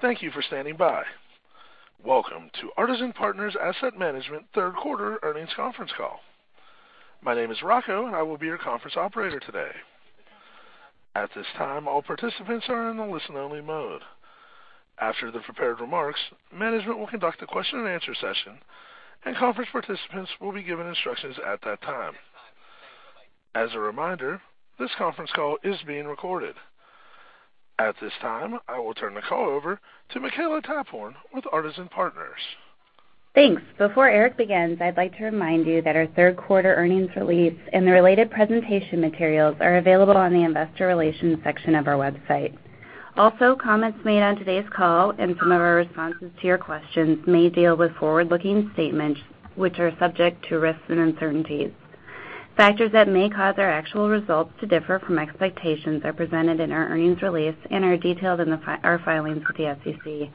Hello. Thank you for standing by. Welcome to Artisan Partners Asset Management third quarter earnings conference call. My name is Rocco and I will be your conference operator today. At this time, all participants are in the listen only mode. After the prepared remarks, management will conduct a question and answer session, and conference participants will be given instructions at that time. As a reminder, this conference call is being recorded. At this time, I will turn the call over to Makela Taphorn with Artisan Partners. Thanks. Before Eric begins, I'd like to remind you that our third quarter earnings release and the related presentation materials are available on the investor relations section of our website. Comments made on today's call and some of our responses to your questions may deal with forward-looking statements, which are subject to risks and uncertainties. Factors that may cause our actual results to differ from expectations are presented in our earnings release and are detailed in our filings with the SEC.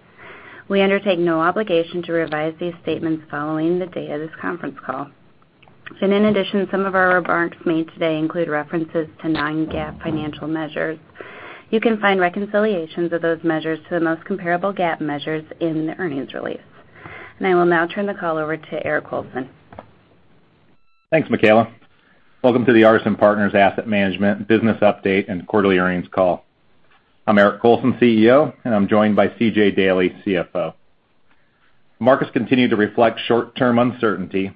We undertake no obligation to revise these statements following the date of this conference call. In addition, some of our remarks made today include references to non-GAAP financial measures. You can find reconciliations of those measures to the most comparable GAAP measures in the earnings release. I will now turn the call over to Eric Colson. Thanks, Makela. Welcome to the Artisan Partners Asset Management business update and quarterly earnings call. I'm Eric Colson, CEO, and I'm joined by C.J. Daley, CFO. Markets continue to reflect short-term uncertainty.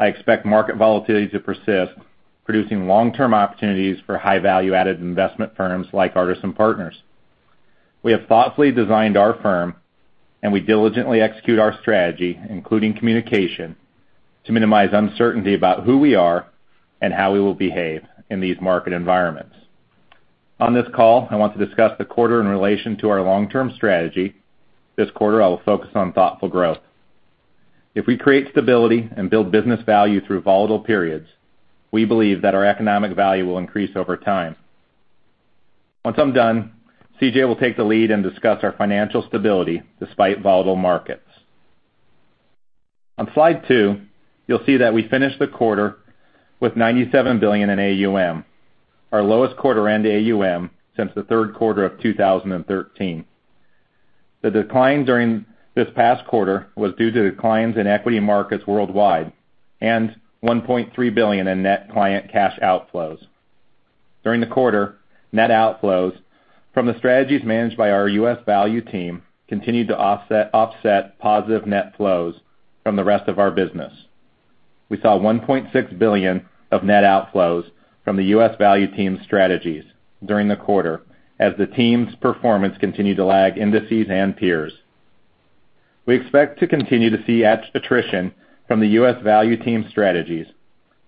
I expect market volatility to persist, producing long-term opportunities for high value-added investment firms like Artisan Partners. We have thoughtfully designed our firm, and we diligently execute our strategy, including communication, to minimize uncertainty about who we are and how we will behave in these market environments. On this call, I want to discuss the quarter in relation to our long-term strategy. This quarter, I will focus on thoughtful growth. If we create stability and build business value through volatile periods, we believe that our economic value will increase over time. Once I'm done, C.J. will take the lead and discuss our financial stability despite volatile markets. On slide two, you'll see that we finished the quarter with $97 billion in AUM, our lowest quarter end AUM since the third quarter of 2013. The decline during this past quarter was due to declines in equity markets worldwide and $1.3 billion in net client cash outflows. During the quarter, net outflows from the strategies managed by our U.S. value team continued to offset positive net flows from the rest of our business. We saw $1.6 billion of net outflows from the U.S. value team strategies during the quarter as the team's performance continued to lag indices and peers. We expect to continue to see asset attrition from the U.S. value team strategies.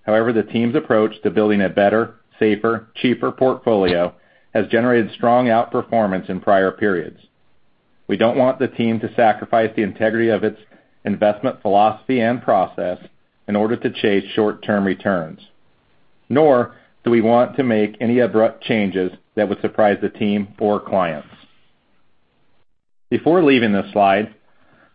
However, the team's approach to building a better, safer, cheaper portfolio has generated strong outperformance in prior periods. We don't want the team to sacrifice the integrity of its investment philosophy and process in order to chase short-term returns, nor do we want to make any abrupt changes that would surprise the team or clients. Before leaving this slide,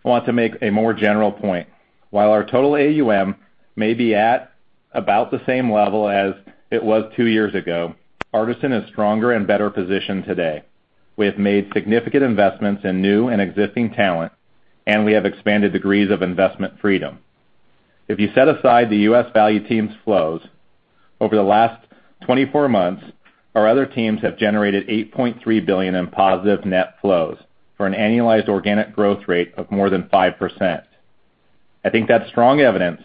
I want to make a more general point. While our total AUM may be at about the same level as it was two years ago, Artisan is stronger and better positioned today. We have made significant investments in new and existing talent, and we have expanded degrees of investment freedom. If you set aside the U.S. value team's flows, over the last 24 months, our other teams have generated $8.3 billion in positive net flows for an annualized organic growth rate of more than 5%. I think that's strong evidence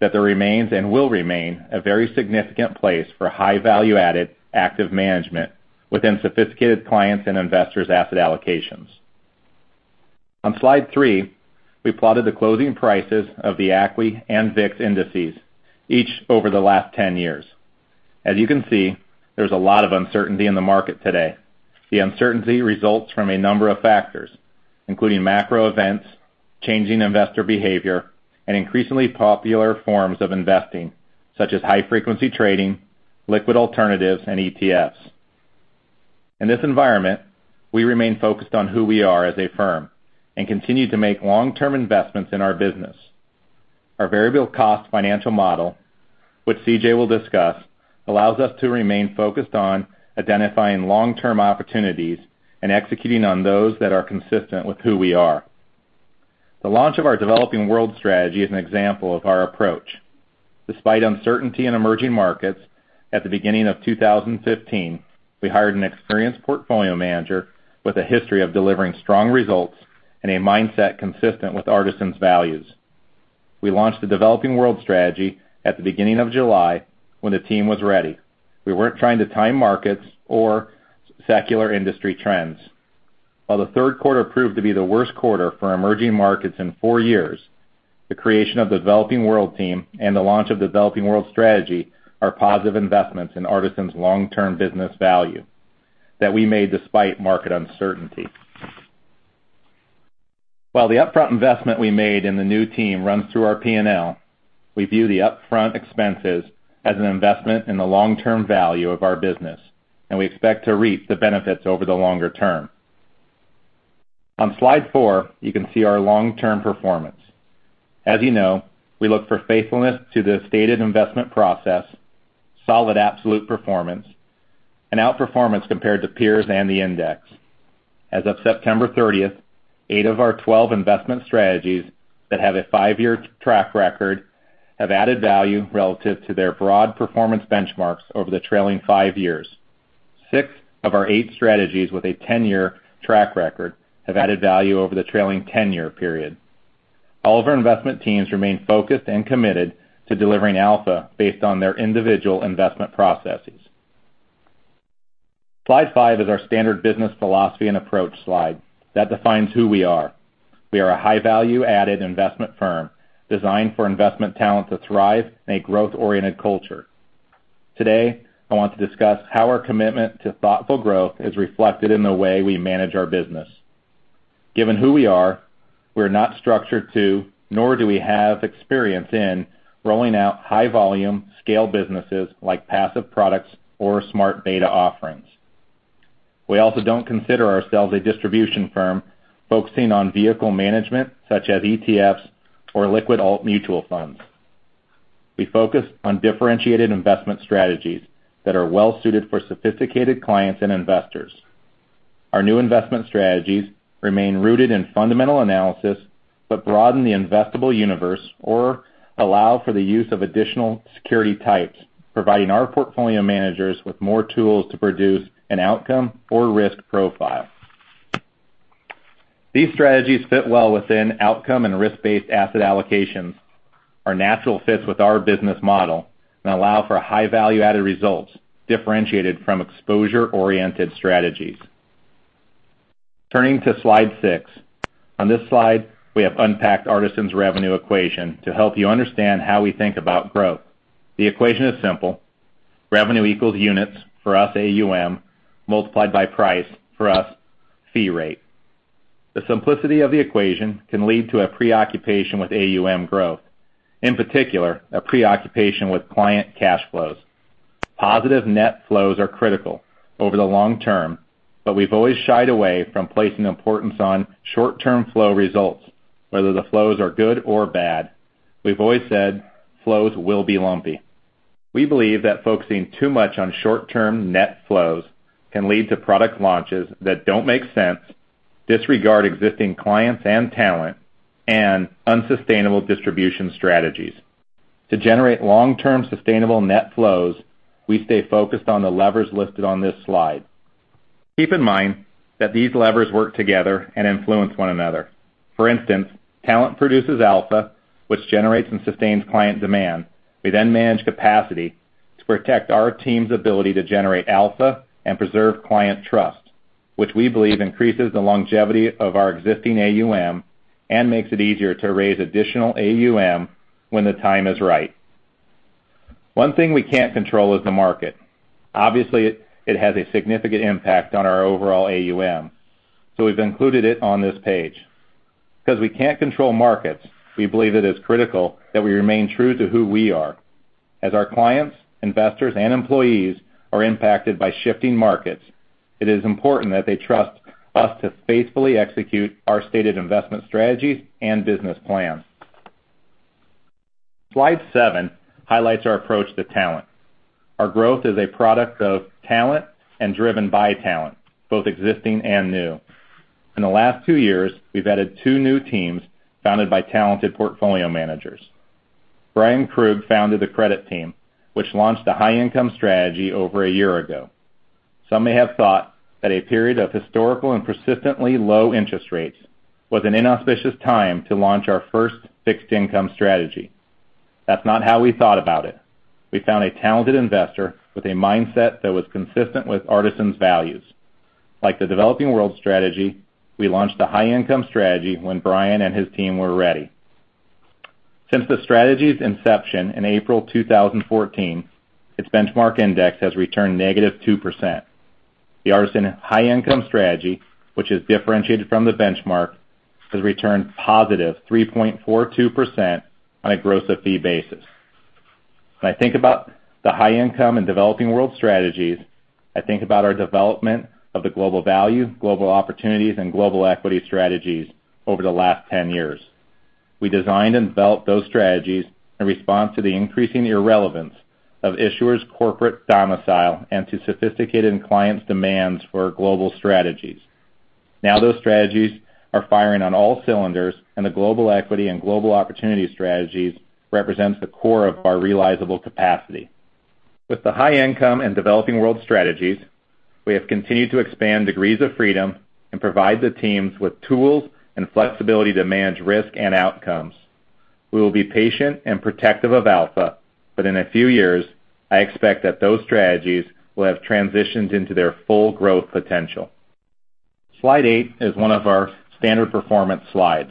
that there remains and will remain a very significant place for high value-added active management within sophisticated clients and investors asset allocations. On slide three, we plotted the closing prices of the ACWI and VIX indices, each over the last 10 years. As you can see, there's a lot of uncertainty in the market today. The uncertainty results from a number of factors, including macro events, changing investor behavior, and increasingly popular forms of investing, such as high frequency trading, liquid alternatives, and ETFs. In this environment, we remain focused on who we are as a firm and continue to make long-term investments in our business. Our variable cost financial model, which CJ will discuss, allows us to remain focused on identifying long-term opportunities and executing on those that are consistent with who we are. The launch of our developing world strategy is an example of our approach. Despite uncertainty in emerging markets at the beginning of 2015, we hired an experienced portfolio manager with a history of delivering strong results and a mindset consistent with Artisan's values. We launched the developing world strategy at the beginning of July when the team was ready. We weren't trying to time markets or secular industry trends. While the third quarter proved to be the worst quarter for emerging markets in four years, the creation of the developing world team and the launch of developing world strategy are positive investments in Artisan's long term business value that we made despite market uncertainty. While the upfront investment we made in the new team runs through our P&L, we view the upfront expenses as an investment in the long-term value of our business, and we expect to reap the benefits over the longer term. On slide four, you can see our long-term performance. As you know, we look for faithfulness to the stated investment process, solid absolute performance, and outperformance compared to peers and the index. As of September 30th, eight of our 12 investment strategies that have a five-year track record have added value relative to their broad performance benchmarks over the trailing five years. Six of our eight strategies with a 10-year track record have added value over the trailing 10-year period. All of our investment teams remain focused and committed to delivering alpha based on their individual investment processes. Slide five is our standard business philosophy and approach slide that defines who we are. We are a high value-added investment firm designed for investment talent to thrive in a growth-oriented culture. Today, I want to discuss how our commitment to thoughtful growth is reflected in the way we manage our business. Given who we are, we are not structured to, nor do we have experience in, rolling out high volume scale businesses like passive products or smart beta offerings. We also don't consider ourselves a distribution firm focusing on vehicle management such as ETFs or liquid alt mutual funds. We focus on differentiated investment strategies that are well suited for sophisticated clients and investors. Our new investment strategies remain rooted in fundamental analysis, but broaden the investable universe or allow for the use of additional security types, providing our portfolio managers with more tools to produce an outcome or risk profile. These strategies fit well within outcome and risk-based asset allocations, are natural fits with our business model, and allow for high value-added results differentiated from exposure-oriented strategies. Turning to slide six. On this slide, we have unpacked Artisan's revenue equation to help you understand how we think about growth. The equation is simple. Revenue equals units, for us, AUM, multiplied by price, for us, fee rate. The simplicity of the equation can lead to a preoccupation with AUM growth, in particular, a preoccupation with client cash flows. Positive net flows are critical over the long term, but we've always shied away from placing importance on short-term flow results, whether the flows are good or bad. We've always said flows will be lumpy. We believe that focusing too much on short-term net flows can lead to product launches that don't make sense, disregard existing clients and talent, and unsustainable distribution strategies. To generate long-term sustainable net flows, we stay focused on the levers listed on this slide. Keep in mind that these levers work together and influence one another. For instance, talent produces alpha, which generates and sustains client demand. We then manage capacity to protect our team's ability to generate alpha and preserve client trust, which we believe increases the longevity of our existing AUM and makes it easier to raise additional AUM when the time is right. One thing we can't control is the market. Obviously, it has a significant impact on our overall AUM, so we've included it on this page. Because we can't control markets, we believe it is critical that we remain true to who we are. As our clients, investors, and employees are impacted by shifting markets, it is important that they trust us to faithfully execute our stated investment strategies and business plans. Slide seven highlights our approach to talent. Our growth is a product of talent and driven by talent, both existing and new. In the last two years, we've added two new teams founded by talented portfolio managers. Bryan Krug founded the Credit Team, which launched a high income strategy over a year ago. Some may have thought that a period of historical and persistently low interest rates was an inauspicious time to launch our first fixed income strategy. That's not how we thought about it. We found a talented investor with a mindset that was consistent with Artisan's values. Like the developing world strategy, we launched the high income strategy when Bryan and his team were ready. Since the strategy's inception in April 2014, its benchmark index has returned -2%. The Artisan high income strategy, which is differentiated from the benchmark, has returned +3.42% on a gross of fee basis. When I think about the high income and developing world strategies, I think about our development of the global value, global opportunities, and global equity strategies over the last 10 years. We designed and built those strategies in response to the increasing irrelevance of issuers' corporate domicile and to sophisticated clients' demands for global strategies. Now, those strategies are firing on all cylinders, and the global equity and global opportunity strategies represents the core of our realizable capacity. With the high income and developing world strategies, we have continued to expand degrees of freedom and provide the teams with tools and flexibility to manage risk and outcomes. We will be patient and protective of alpha, but in a few years, I expect that those strategies will have transitioned into their full growth potential. Slide eight is one of our standard performance slides.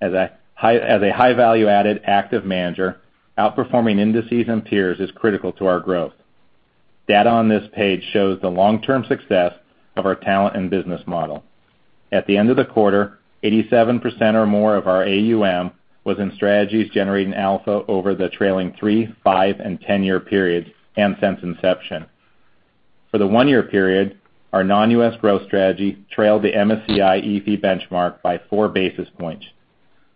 As a high value-added active manager, outperforming indices and peers is critical to our growth. Data on this page shows the long-term success of our talent and business model. At the end of the quarter, 87% or more of our AUM was in strategies generating alpha over the trailing three, five, and 10 year periods and since inception. For the one-year period, our non-U.S. growth strategy trailed the MSCI EAFE benchmark by four basis points,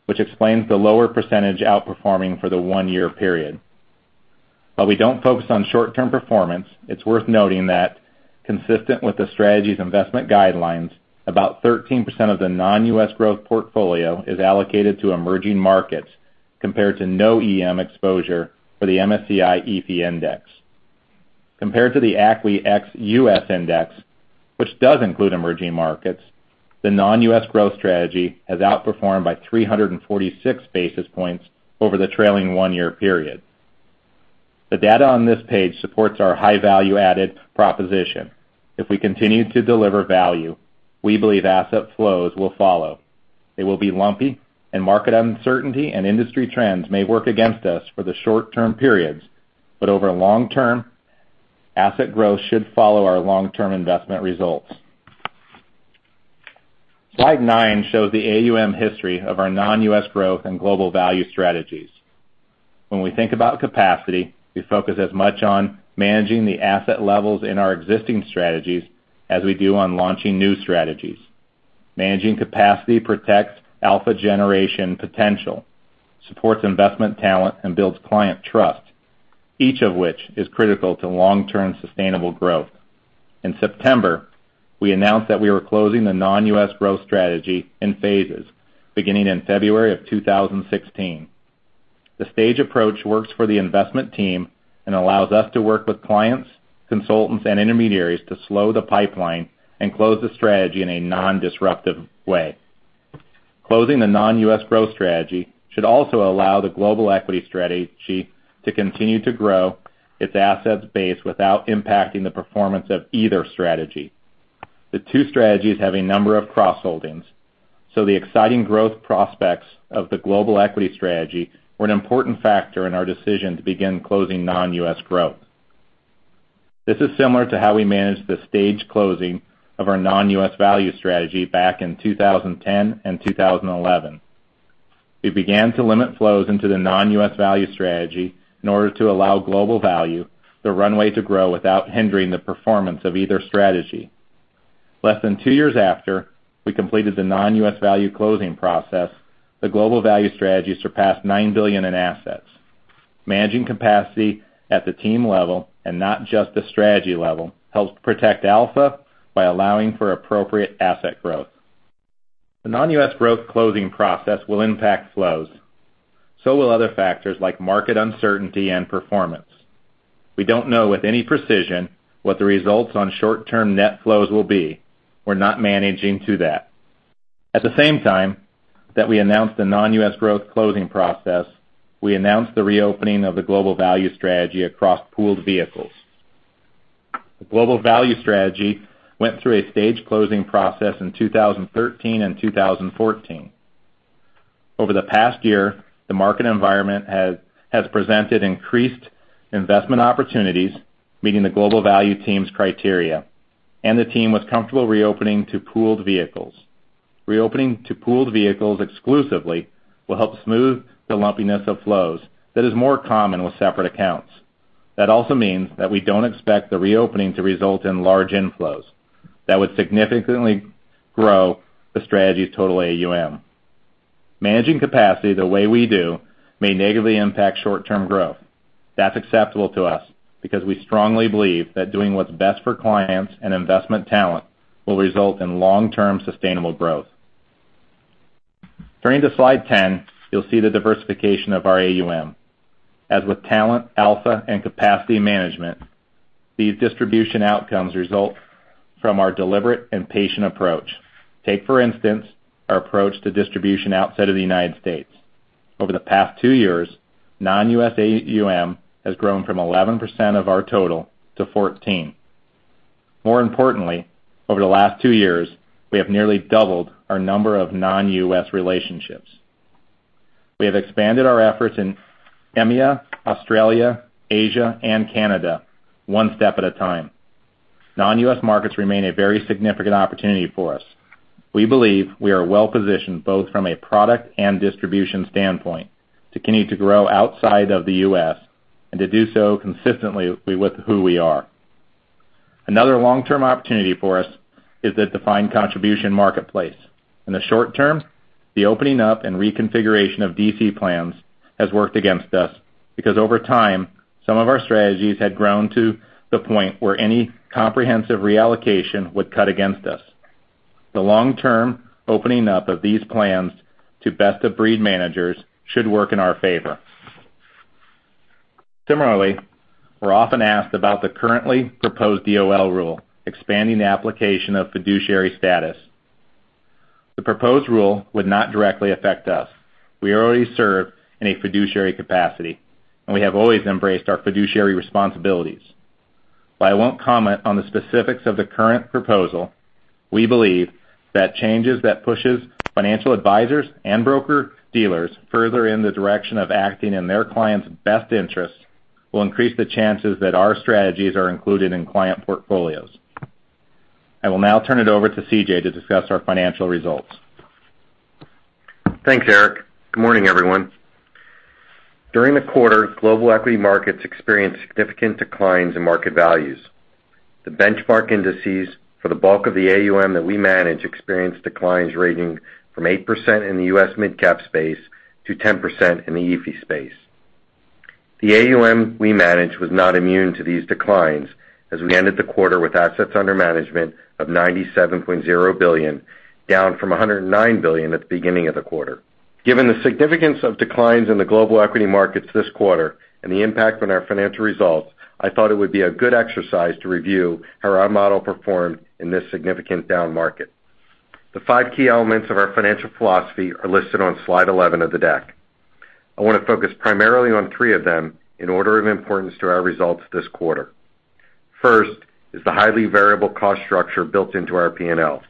which explains the lower percentage outperforming for the one-year period. While we don't focus on short-term performance, it's worth noting that consistent with the strategy's investment guidelines, about 13% of the non-U.S. growth portfolio is allocated to emerging markets, compared to no EM exposure for the MSCI EAFE index. Compared to the ACWI ex USA index, which does include emerging markets, the non-U.S. growth strategy has outperformed by 346 basis points over the trailing one-year period. The data on this page supports our high value-added proposition. If we continue to deliver value, we believe asset flows will follow. It will be lumpy, and market uncertainty and industry trends may work against us for the short-term periods, but over long-term, asset growth should follow our long-term investment results. Slide nine shows the AUM history of our non-U.S. growth and global value strategies. When we think about capacity, we focus as much on managing the asset levels in our existing strategies as we do on launching new strategies. Managing capacity protects alpha generation potential, supports investment talent, and builds client trust, each of which is critical to long-term sustainable growth. In September, we announced that we were closing the non-U.S. growth strategy in phases, beginning in February of 2016. The stage approach works for the investment team and allows us to work with clients, consultants, and intermediaries to slow the pipeline and close the strategy in a non-disruptive way. Closing the non-U.S. growth strategy should also allow the global equity strategy to continue to grow its assets base without impacting the performance of either strategy. The two strategies have a number of cross-holdings. The exciting growth prospects of the global equity strategy were an important factor in our decision to begin closing non-U.S. growth. This is similar to how we managed the staged closing of our non-U.S. value strategy back in 2010 and 2011. We began to limit flows into the non-U.S. value strategy in order to allow global value the runway to grow without hindering the performance of either strategy. Less than two years after we completed the non-U.S. value closing process, the global value strategy surpassed $9 billion in assets. Managing capacity at the team level, and not just the strategy level, helps protect alpha by allowing for appropriate asset growth. The non-U.S. growth closing process will impact flows, so will other factors like market uncertainty and performance. We don't know with any precision what the results on short-term net flows will be. We're not managing to that. At the same time that we announced the non-U.S. growth closing process, we announced the reopening of the global value strategy across pooled vehicles. The global value strategy went through a stage closing process in 2013 and 2014. Over the past year, the market environment has presented increased investment opportunities, meeting the global value team's criteria, and the team was comfortable reopening to pooled vehicles. Reopening to pooled vehicles exclusively will help smooth the lumpiness of flows that is more common with separate accounts. That also means that we don't expect the reopening to result in large inflows that would significantly grow the strategy's total AUM. Managing capacity the way we do may negatively impact short-term growth. That's acceptable to us because we strongly believe that doing what's best for clients and investment talent will result in long-term sustainable growth. Turning to slide 10, you'll see the diversification of our AUM. As with talent, alpha, and capacity management, these distribution outcomes result from our deliberate and patient approach. Take, for instance, our approach to distribution outside of the United States. Over the past two years, non-U.S. AUM has grown from 11% of our total to 14%. More importantly, over the last two years, we have nearly doubled our number of non-U.S. relationships. We have expanded our efforts in EMEA, Australia, Asia, and Canada one step at a time. Non-U.S. markets remain a very significant opportunity for us. We believe we are well-positioned both from a product and distribution standpoint to continue to grow outside of the U.S. and to do so consistently with who we are. Another long-term opportunity for us is the defined contribution marketplace. In the short term, the opening up and reconfiguration of DC plans has worked against us because over time, some of our strategies had grown to the point where any comprehensive reallocation would cut against us. The long term opening up of these plans to best-of-breed managers should work in our favor. Similarly, we're often asked about the currently proposed DOL rule, expanding the application of fiduciary status. The proposed rule would not directly affect us. We already serve in a fiduciary capacity, and we have always embraced our fiduciary responsibilities. While I won't comment on the specifics of the current proposal, we believe that changes that pushes financial advisors and broker dealers further in the direction of acting in their clients' best interests will increase the chances that our strategies are included in client portfolios. I will now turn it over to CJ to discuss our financial results. Thanks, Eric. Good morning, everyone. During the quarter, global equity markets experienced significant declines in market values. The benchmark indices for the bulk of the AUM that we manage experienced declines ranging from 8% in the U.S. mid-cap space to 10% in the EAFE space. The AUM we manage was not immune to these declines as we ended the quarter with assets under management of $97.0 billion, down from $109 billion at the beginning of the quarter. Given the significance of declines in the global equity markets this quarter and the impact on our financial results, I thought it would be a good exercise to review how our model performed in this significant down market. The five key elements of our financial philosophy are listed on slide 11 of the deck. I want to focus primarily on three of them in order of importance to our results this quarter. First is the highly variable cost structure built into our P&L.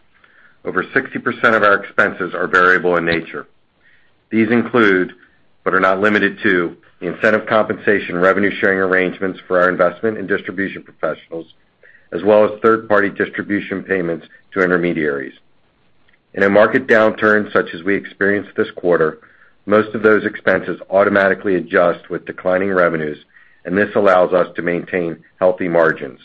Over 60% of our expenses are variable in nature. These include, but are not limited to, the incentive compensation revenue sharing arrangements for our investment and distribution professionals, as well as third-party distribution payments to intermediaries. In a market downturn such as we experienced this quarter, most of those expenses automatically adjust with declining revenues, and this allows us to maintain healthy margins.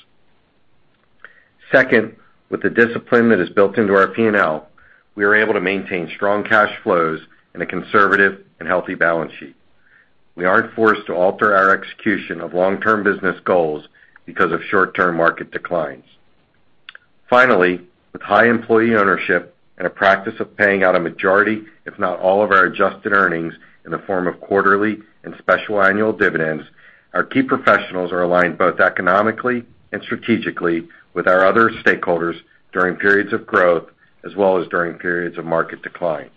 Second, with the discipline that is built into our P&L, we are able to maintain strong cash flows and a conservative and healthy balance sheet. We aren't forced to alter our execution of long-term business goals because of short-term market declines. Finally, with high employee ownership and a practice of paying out a majority, if not all of our adjusted earnings in the form of quarterly and special annual dividends, our key professionals are aligned both economically and strategically with our other stakeholders during periods of growth as well as during periods of market decline.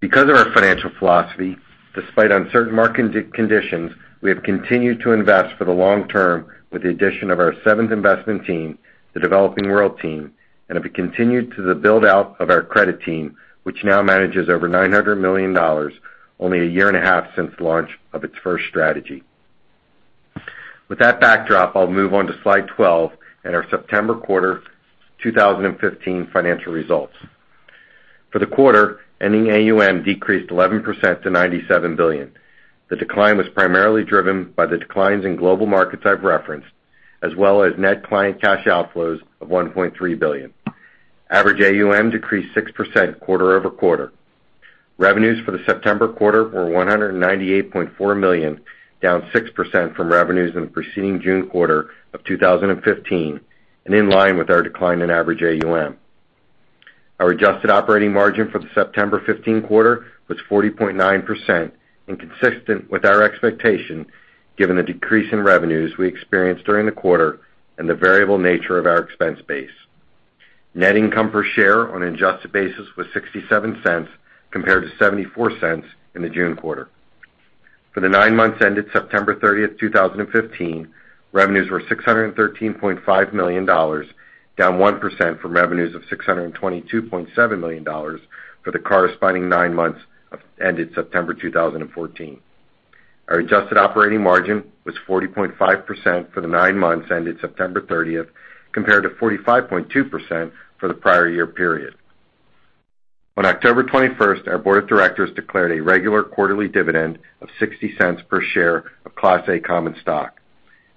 Because of our financial philosophy, despite uncertain market conditions, we have continued to invest for the long term with the addition of our seventh investment team, the Developing World team, and have continued to the build-out of our credit team, which now manages over $900 million, only a year and a half since launch of its first strategy. With that backdrop, I'll move on to slide 12 and our September quarter 2015 financial results. For the quarter, ending AUM decreased 11% to $97 billion. The decline was primarily driven by the declines in global markets I've referenced, as well as net client cash outflows of $1.3 billion. Average AUM decreased 6% quarter-over-quarter. Revenues for the September quarter were $198.4 million, down 6% from revenues in the preceding June quarter of 2015, and in line with our decline in average AUM. Our adjusted operating margin for the September 2015 quarter was 40.9%, inconsistent with our expectation, given the decrease in revenues we experienced during the quarter and the variable nature of our expense base. Net income per share on an adjusted basis was $0.67, compared to $0.74 in the June quarter. For the nine months ended September 30th, 2015, revenues were $613.5 million, down 1% from revenues of $622.7 million for the corresponding nine months ended September 2014. Our adjusted operating margin was 40.5% for the nine months ended September 30th, compared to 45.2% for the prior year period. On October 21st, our board of directors declared a regular quarterly dividend of $0.60 per share of Class A common stock.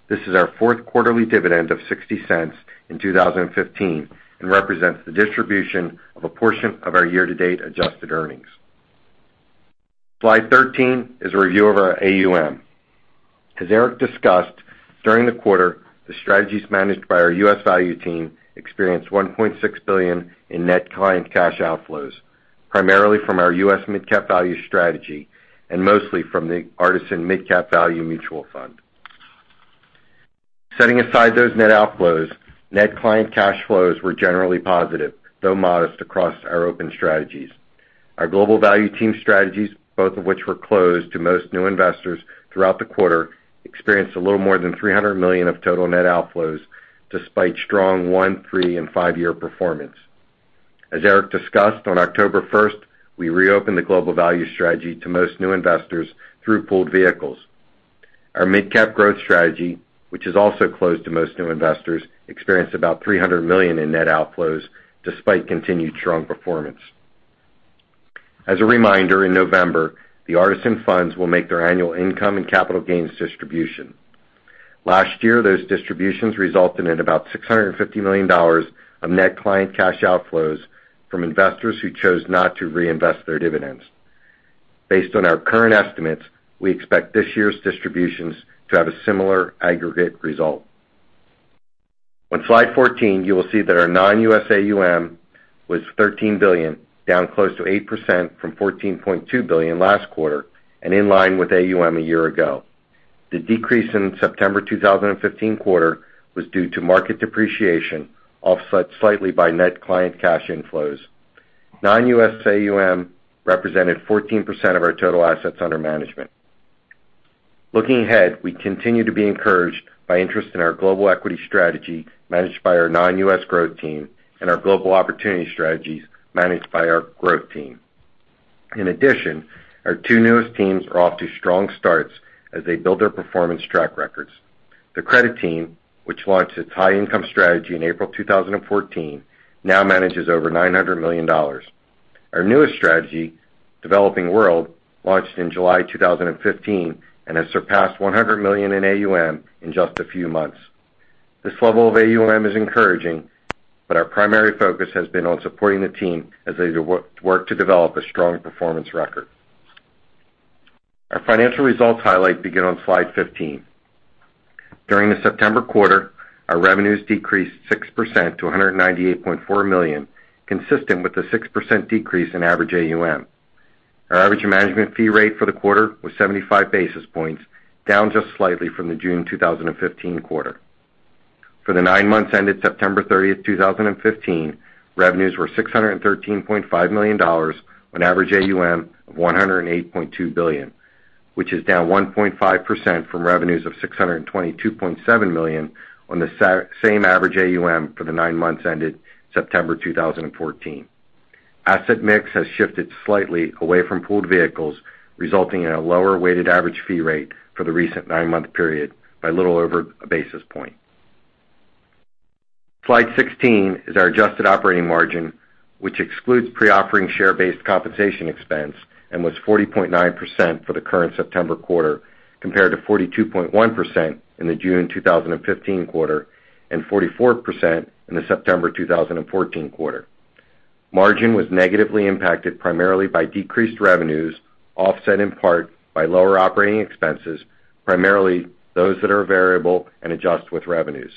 This is our fourth quarterly dividend of $0.60 in 2015 and represents the distribution of a portion of our year-to-date adjusted earnings. Slide 13 is a review of our AUM. As Eric discussed, during the quarter, the strategies managed by our U.S. Value team experienced $1.6 billion in net client cash outflows, primarily from our U.S. Mid Cap Value strategy and mostly from the Artisan Mid Cap Value Fund. Setting aside those net outflows, net client cash flows were generally positive, though modest across our open strategies. Our Global Value Team strategies, both of which were closed to most new investors throughout the quarter, experienced a little more than $300 million of total net outflows, despite strong one-, three-, and five-year performance. As Eric discussed on October 1st, we reopened the Global Value strategy to most new investors through pooled vehicles. Our Mid Cap Growth strategy, which is also closed to most new investors, experienced about $300 million in net outflows despite continued strong performance. As a reminder, in November, the Artisan funds will make their annual income and capital gains distribution. Last year, those distributions resulted in about $650 million of net client cash outflows from investors who chose not to reinvest their dividends. Based on our current estimates, we expect this year's distributions to have a similar aggregate result. On slide 14, you will see that our non-U.S. AUM was $13 billion, down close to 8% from $14.2 billion last quarter and in line with AUM a year ago. The decrease in September 2015 quarter was due to market depreciation, offset slightly by net client cash inflows. Non-U.S. AUM represented 14% of our total assets under management. Looking ahead, we continue to be encouraged by interest in our global equity strategy managed by our non-U.S. growth team and our global opportunity strategies managed by our growth team. In addition, our two newest teams are off to strong starts as they build their performance track records. The credit team, which launched its high income strategy in April 2014, now manages over $900 million. Our newest strategy, Developing World, launched in July 2015 and has surpassed $100 million in AUM in just a few months. This level of AUM is encouraging. Our primary focus has been on supporting the team as they work to develop a strong performance record. Our financial results highlight begin on slide 15. During the September quarter, our revenues decreased 6% to $198.4 million, consistent with the 6% decrease in average AUM. Our average management fee rate for the quarter was 75 basis points, down just slightly from the June 2015 quarter. For the nine months ended September 30th, 2015, revenues were $613.5 million on average AUM of $108.2 billion, which is down 1.5% from revenues of $622.7 million on the same average AUM for the nine months ended September 2014. Asset mix has shifted slightly away from pooled vehicles, resulting in a lower weighted average fee rate for the recent nine-month period by little over a basis point. Slide 16 is our adjusted operating margin, which excludes pre-offering share-based compensation expense and was 40.9% for the current September quarter, compared to 42.1% in the June 2015 quarter and 44% in the September 2014 quarter. Margin was negatively impacted primarily by decreased revenues, offset in part by lower operating expenses, primarily those that are variable and adjust with revenues.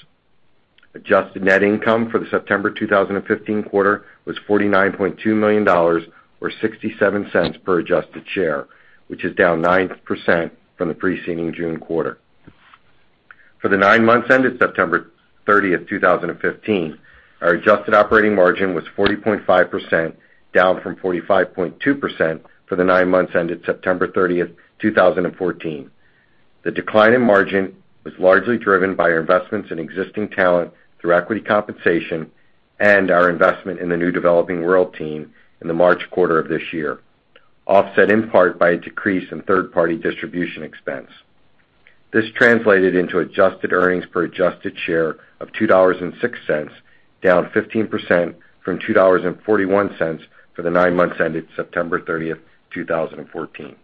Adjusted net income for the September 2015 quarter was $49.2 million or $0.67 per adjusted share, which is down 9% from the preceding June quarter. For the nine months ended September 30th, 2015, our adjusted operating margin was 40.5%, down from 45.2% for the nine months ended September 30th, 2014. The decline in margin was largely driven by our investments in existing talent through equity compensation and our investment in the new developing world team in the March quarter of this year, offset in part by a decrease in third-party distribution expense. This translated into adjusted earnings per adjusted share of $2.06, down 15% from $2.41 for the nine months ended September 30th, 2014.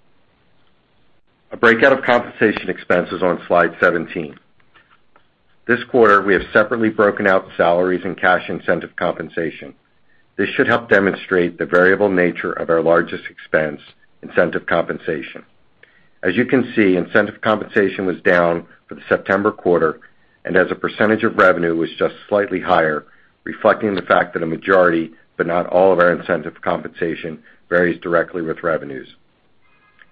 A breakout of compensation expense is on slide 17. This quarter, we have separately broken out salaries and cash incentive compensation. This should help demonstrate the variable nature of our largest expense, incentive compensation. As you can see, incentive compensation was down for the September quarter and as a percentage of revenue was just slightly higher, reflecting the fact that a majority, but not all of our incentive compensation varies directly with revenues.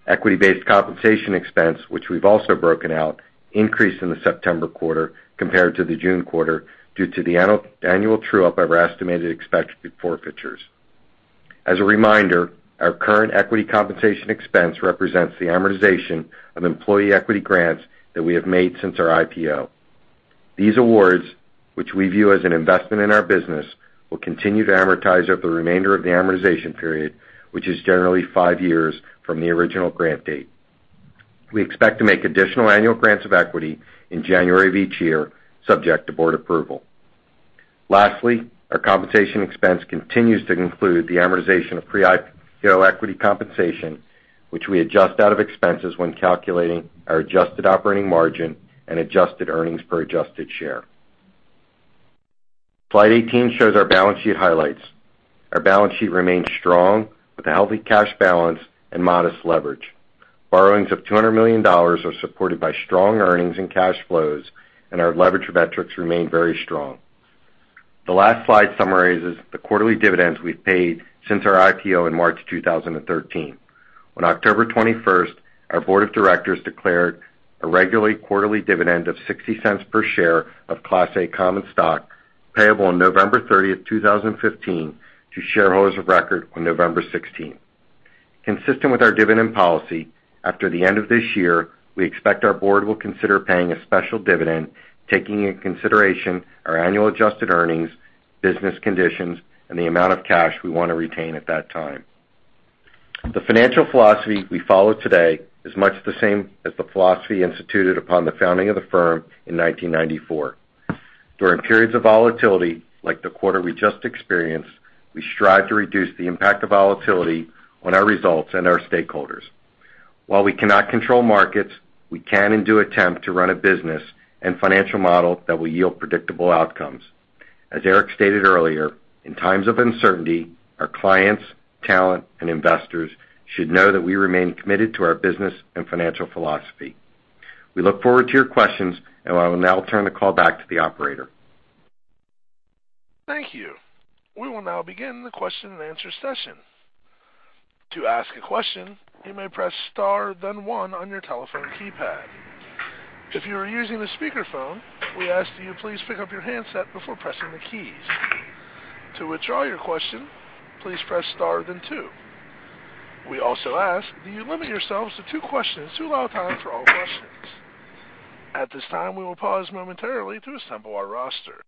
Equity-based compensation expense, which we've also broken out, increased in the September quarter compared to the June quarter due to the annual true-up of our estimated expected forfeitures. As a reminder, our current equity compensation expense represents the amortization of employee equity grants that we have made since our IPO. These awards, which we view as an investment in our business, will continue to amortize over the remainder of the amortization period, which is generally five years from the original grant date. We expect to make additional annual grants of equity in January of each year, subject to board approval. Lastly, our compensation expense continues to include the amortization of pre-IPO equity compensation, which we adjust out of expenses when calculating our adjusted operating margin and adjusted earnings per adjusted share. Slide 18 shows our balance sheet highlights. Our balance sheet remains strong with a healthy cash balance and modest leverage. Borrowings of $200 million are supported by strong earnings and cash flows, and our leverage metrics remain very strong. The last slide summarizes the quarterly dividends we've paid since our IPO in March 2013. On October 21st, our board of directors declared a regularly quarterly dividend of $0.60 per share of Class A common stock payable on November 30th, 2015 to shareholders of record on November 16th. Consistent with our dividend policy, after the end of this year, we expect our board will consider paying a special dividend, taking in consideration our annual adjusted earnings, business conditions, and the amount of cash we want to retain at that time. The financial philosophy we follow today is much the same as the philosophy instituted upon the founding of the firm in 1994. During periods of volatility, like the quarter we just experienced, we strive to reduce the impact of volatility on our results and our stakeholders. While we cannot control markets, we can and do attempt to run a business and financial model that will yield predictable outcomes. As Eric stated earlier, in times of uncertainty, our clients, talent, and investors should know that we remain committed to our business and financial philosophy. I will now turn the call back to the operator. Thank you. We will now begin the question and answer session. To ask a question, you may press star then one on your telephone keypad. If you are using the speakerphone, we ask that you please pick up your handset before pressing the keys. To withdraw your question, please press star then two. We also ask that you limit yourselves to two questions to allow time for all questions. At this time, we will pause momentarily to assemble our roster.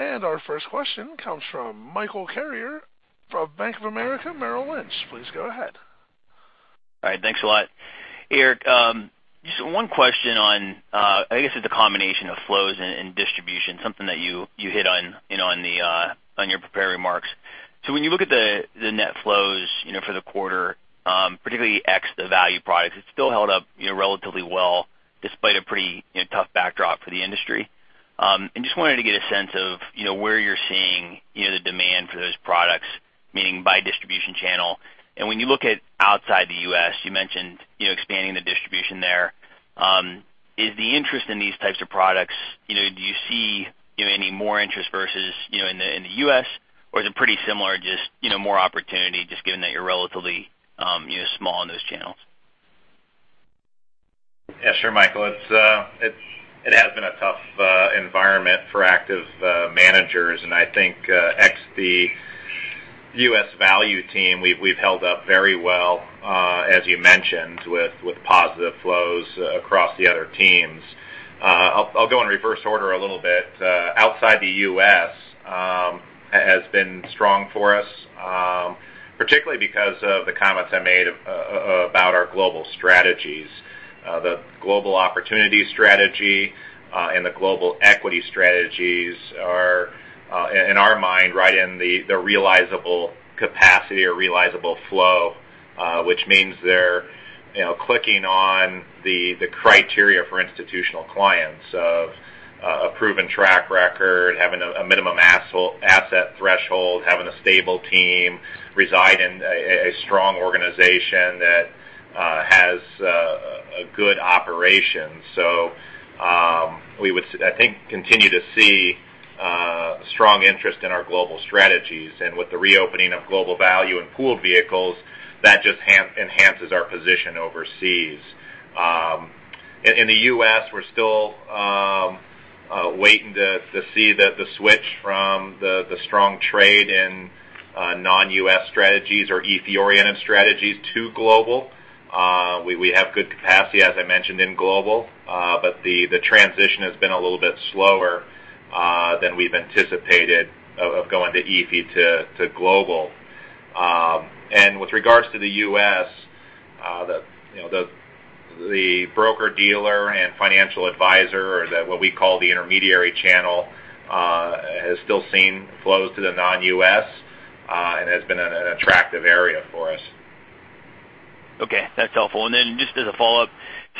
Our first question comes from Michael Carrier from Bank of America Merrill Lynch. Please go ahead. All right. Thanks a lot. Eric, just one question on, I guess it's a combination of flows and distribution, something that you hit on in your prepared remarks. When you look at the net flows for the quarter, particularly ex the value products, it's still held up relatively well despite a pretty tough backdrop for the industry. Just wanted to get a sense of where you're seeing the demand for those products, meaning by distribution channel. When you look at outside the U.S., you mentioned expanding the distribution there. Is the interest in these types of products, do you see any more interest versus in the U.S. or is it pretty similar, just more opportunity just given that you're relatively small in those channels? Yeah, sure, Michael. It has been a tough environment for active managers, and I think ex the U.S. value team, we've held up very well, as you mentioned, with positive flows across the other teams. I'll go in reverse order a little bit. Outside the U.S. has been strong for us, particularly because of the comments I made about our global strategies. The global opportunity strategy, and the global equity strategies are, in our mind, right in the realizable capacity or realizable flow. Which means they're clicking on the criteria for institutional clients of a proven track record, having a minimum asset threshold, having a stable team, reside in a strong organization that has a good operation. We would, I think, continue to see strong interest in our global strategies. With the reopening of global value and pooled vehicles, that just enhances our position overseas. In the U.S., we're still waiting to see the switch from the strong trade in non-U.S. strategies or EAFE oriented strategies to global. We have good capacity, as I mentioned, in global. The transition has been a little bit slower than we've anticipated of going to EAFE to global. With regards to the U.S., the broker dealer and financial advisor, or what we call the intermediary channel, has still seen flows to the non-U.S., and has been an attractive area for us. Okay, that's helpful. Just as a follow-up,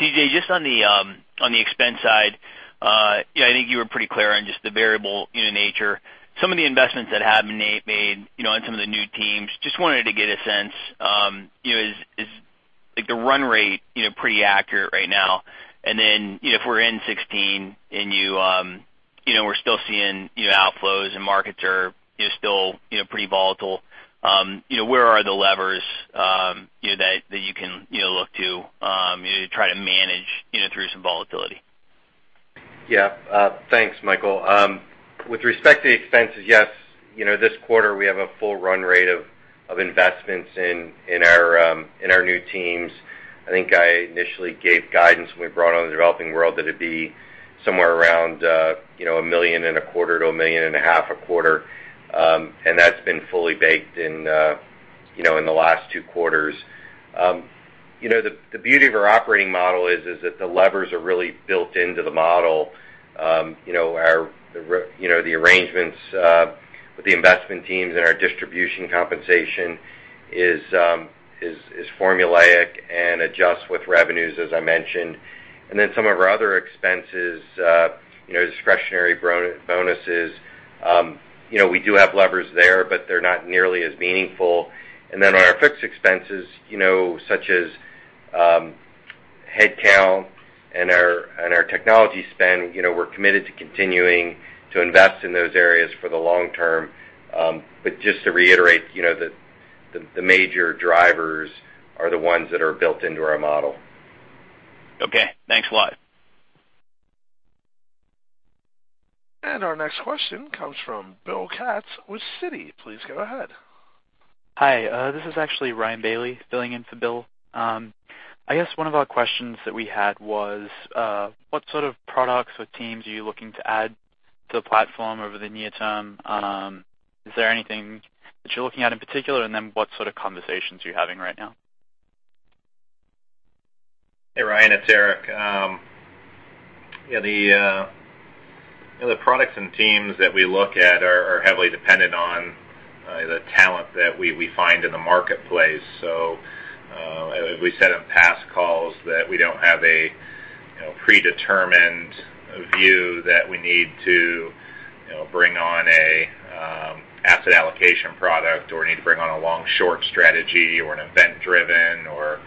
CJ, just on the expense side, I think you were pretty clear on just the variable nature. Some of the investments that have been made on some of the new teams, just wanted to get a sense. Is the run rate pretty accurate right now? If we're in 2016, and we're still seeing outflows and markets are still pretty volatile, where are the levers that you can look to try to manage through some volatility? Yeah. Thanks, Michael. With respect to the expenses, yes, this quarter we have a full run rate of investments in our new teams. I think I initially gave guidance when we brought on the developing world that it'd be somewhere around a million and a quarter to a million and a half a quarter. That's been fully baked in the last two quarters. The beauty of our operating model is that the levers are really built into the model. The arrangements with the investment teams and our distribution compensation is formulaic and adjusts with revenues, as I mentioned. Some of our other expenses, discretionary bonuses, we do have levers there, but they're not nearly as meaningful. On our fixed expenses, such as headcount and our technology spend, we're committed to continuing to invest in those areas for the long term. Just to reiterate, the major drivers are the ones that are built into our model. Okay. Thanks a lot. Our next question comes from Bill Katz with Citi. Please go ahead. Hi. This is actually Ryan Bailey filling in for Bill. I guess one of our questions that we had was, what sort of products or teams are you looking to add to the platform over the near term? Is there anything that you're looking at in particular, and then what sort of conversations are you having right now? Hey, Ryan, it's Eric. The products and teams that we look at are heavily dependent on the talent that we find in the marketplace. As we said on past calls, that we don't have a predetermined view that we need to bring on an asset allocation product or need to bring on a long-short strategy or an event driven or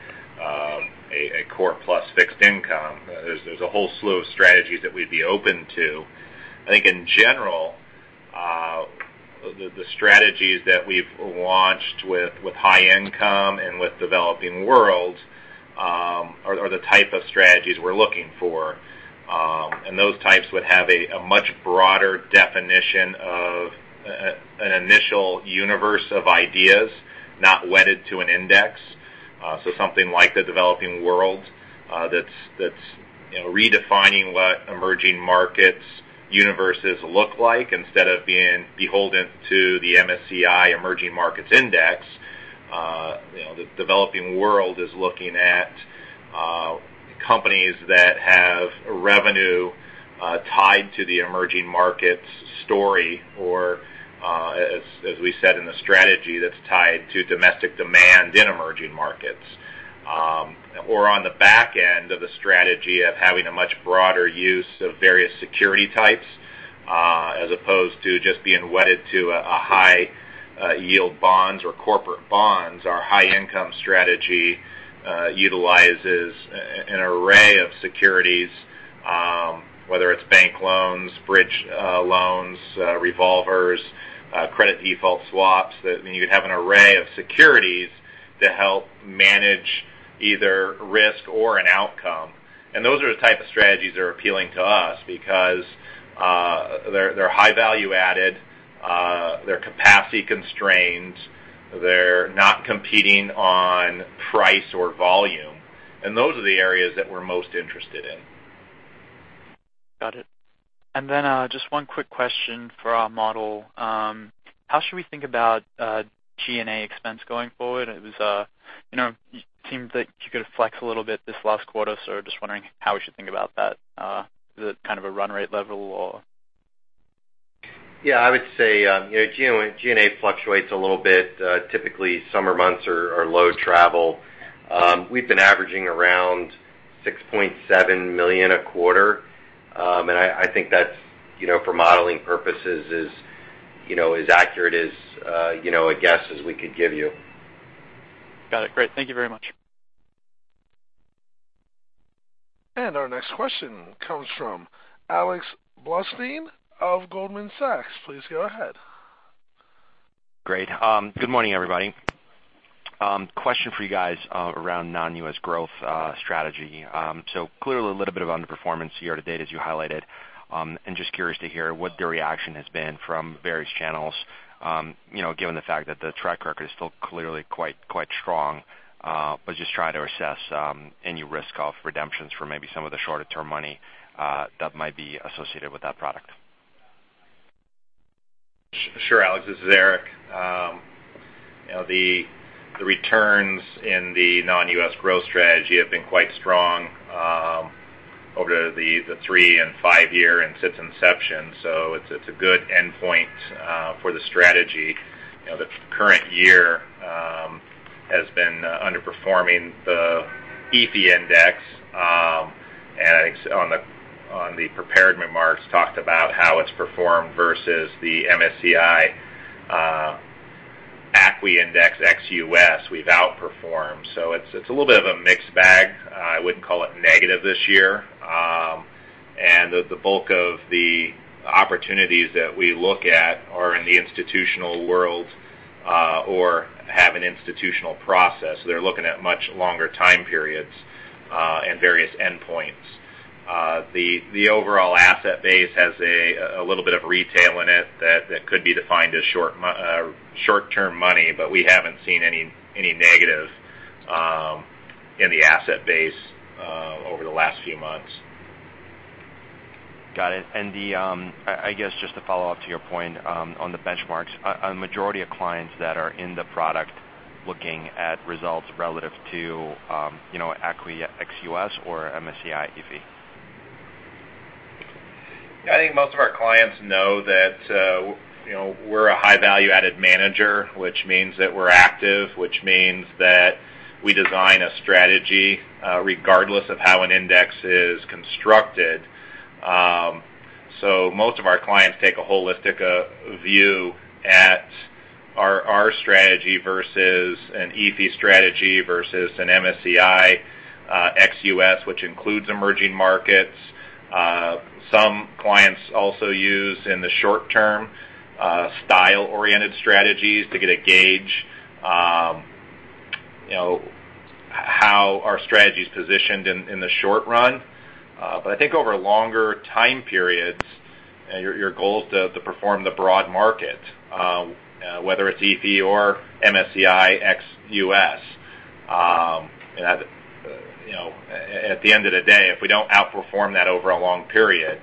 a core plus fixed income. There's a whole slew of strategies that we'd be open to. I think in general, the strategies that we've launched with high income and with developing worlds are the type of strategies we're looking for. Those types would have a much broader definition of an initial universe of ideas, not wedded to an index. Something like the developing world that's redefining what emerging markets universes look like instead of being beholden to the MSCI Emerging Markets Index. The developing world is looking at companies that have revenue tied to the emerging markets story or, as we said in the strategy, that's tied to domestic demand in emerging markets. On the back end of the strategy of having a much broader use of various security types, as opposed to just being wedded to a high-yield bonds or corporate bonds. Our high-income strategy utilizes an array of securities, whether it's bank loans, bridge loans, revolvers, credit default swaps, that you'd have an array of securities to help manage either risk or an outcome. Those are the type of strategies that are appealing to us because they're high value added, they're capacity constrained, they're not competing on price or volume. Those are the areas that we're most interested in. Got it. Just one quick question for our model. How should we think about G&A expense going forward? It seems that you could flex a little bit this last quarter. Just wondering how we should think about that. Is it a run rate level or? Yeah, I would say G&A fluctuates a little bit. Typically, summer months are low travel. We've been averaging around $6.7 million a quarter. I think that for modeling purposes is as accurate as a guess as we could give you. Got it. Great. Thank you very much. Our next question comes from Alex Blostein of Goldman Sachs. Please go ahead. Great. Good morning, everybody. Question for you guys around non-U.S. growth strategy. Clearly a little bit of underperformance year-to-date as you highlighted. Just curious to hear what the reaction has been from various channels, given the fact that the track record is still clearly quite strong. Just trying to assess any risk of redemptions for maybe some of the shorter-term money that might be associated with that product. Sure, Alex, this is Eric. The returns in the non-U.S. growth strategy have been quite strong over the three- and five-year since inception. It's a good endpoint for the strategy. The current year has been underperforming the EAFE index. On the prepared remarks, talked about how it's performed versus the MSCI ACWI index ex U.S., we've outperformed. It's a little bit of a mixed bag. I wouldn't call it negative this year. The bulk of the opportunities that we look at are in the institutional world or have an institutional process. They're looking at much longer time periods and various endpoints. The overall asset base has a little bit of retail in it that could be defined as short-term money, but we haven't seen any negative in the asset base over the last few months. Got it. I guess just to follow up to your point on the benchmarks. A majority of clients that are in the product looking at results relative to ACWI ex U.S. or MSCI EAFE? I think most of our clients know that we're a high value added manager, which means that we're active, which means that we design a strategy regardless of how an index is constructed. Most of our clients take a holistic view at our strategy versus an EAFE strategy versus an MSCI ex U.S., which includes emerging markets. Some clients also use, in the short term, style-oriented strategies to get a gauge how our strategy's positioned in the short run. I think over longer time periods, your goal is to perform the broad market, whether it's EAFE or MSCI ex U.S. At the end of the day, if we don't outperform that over a long period,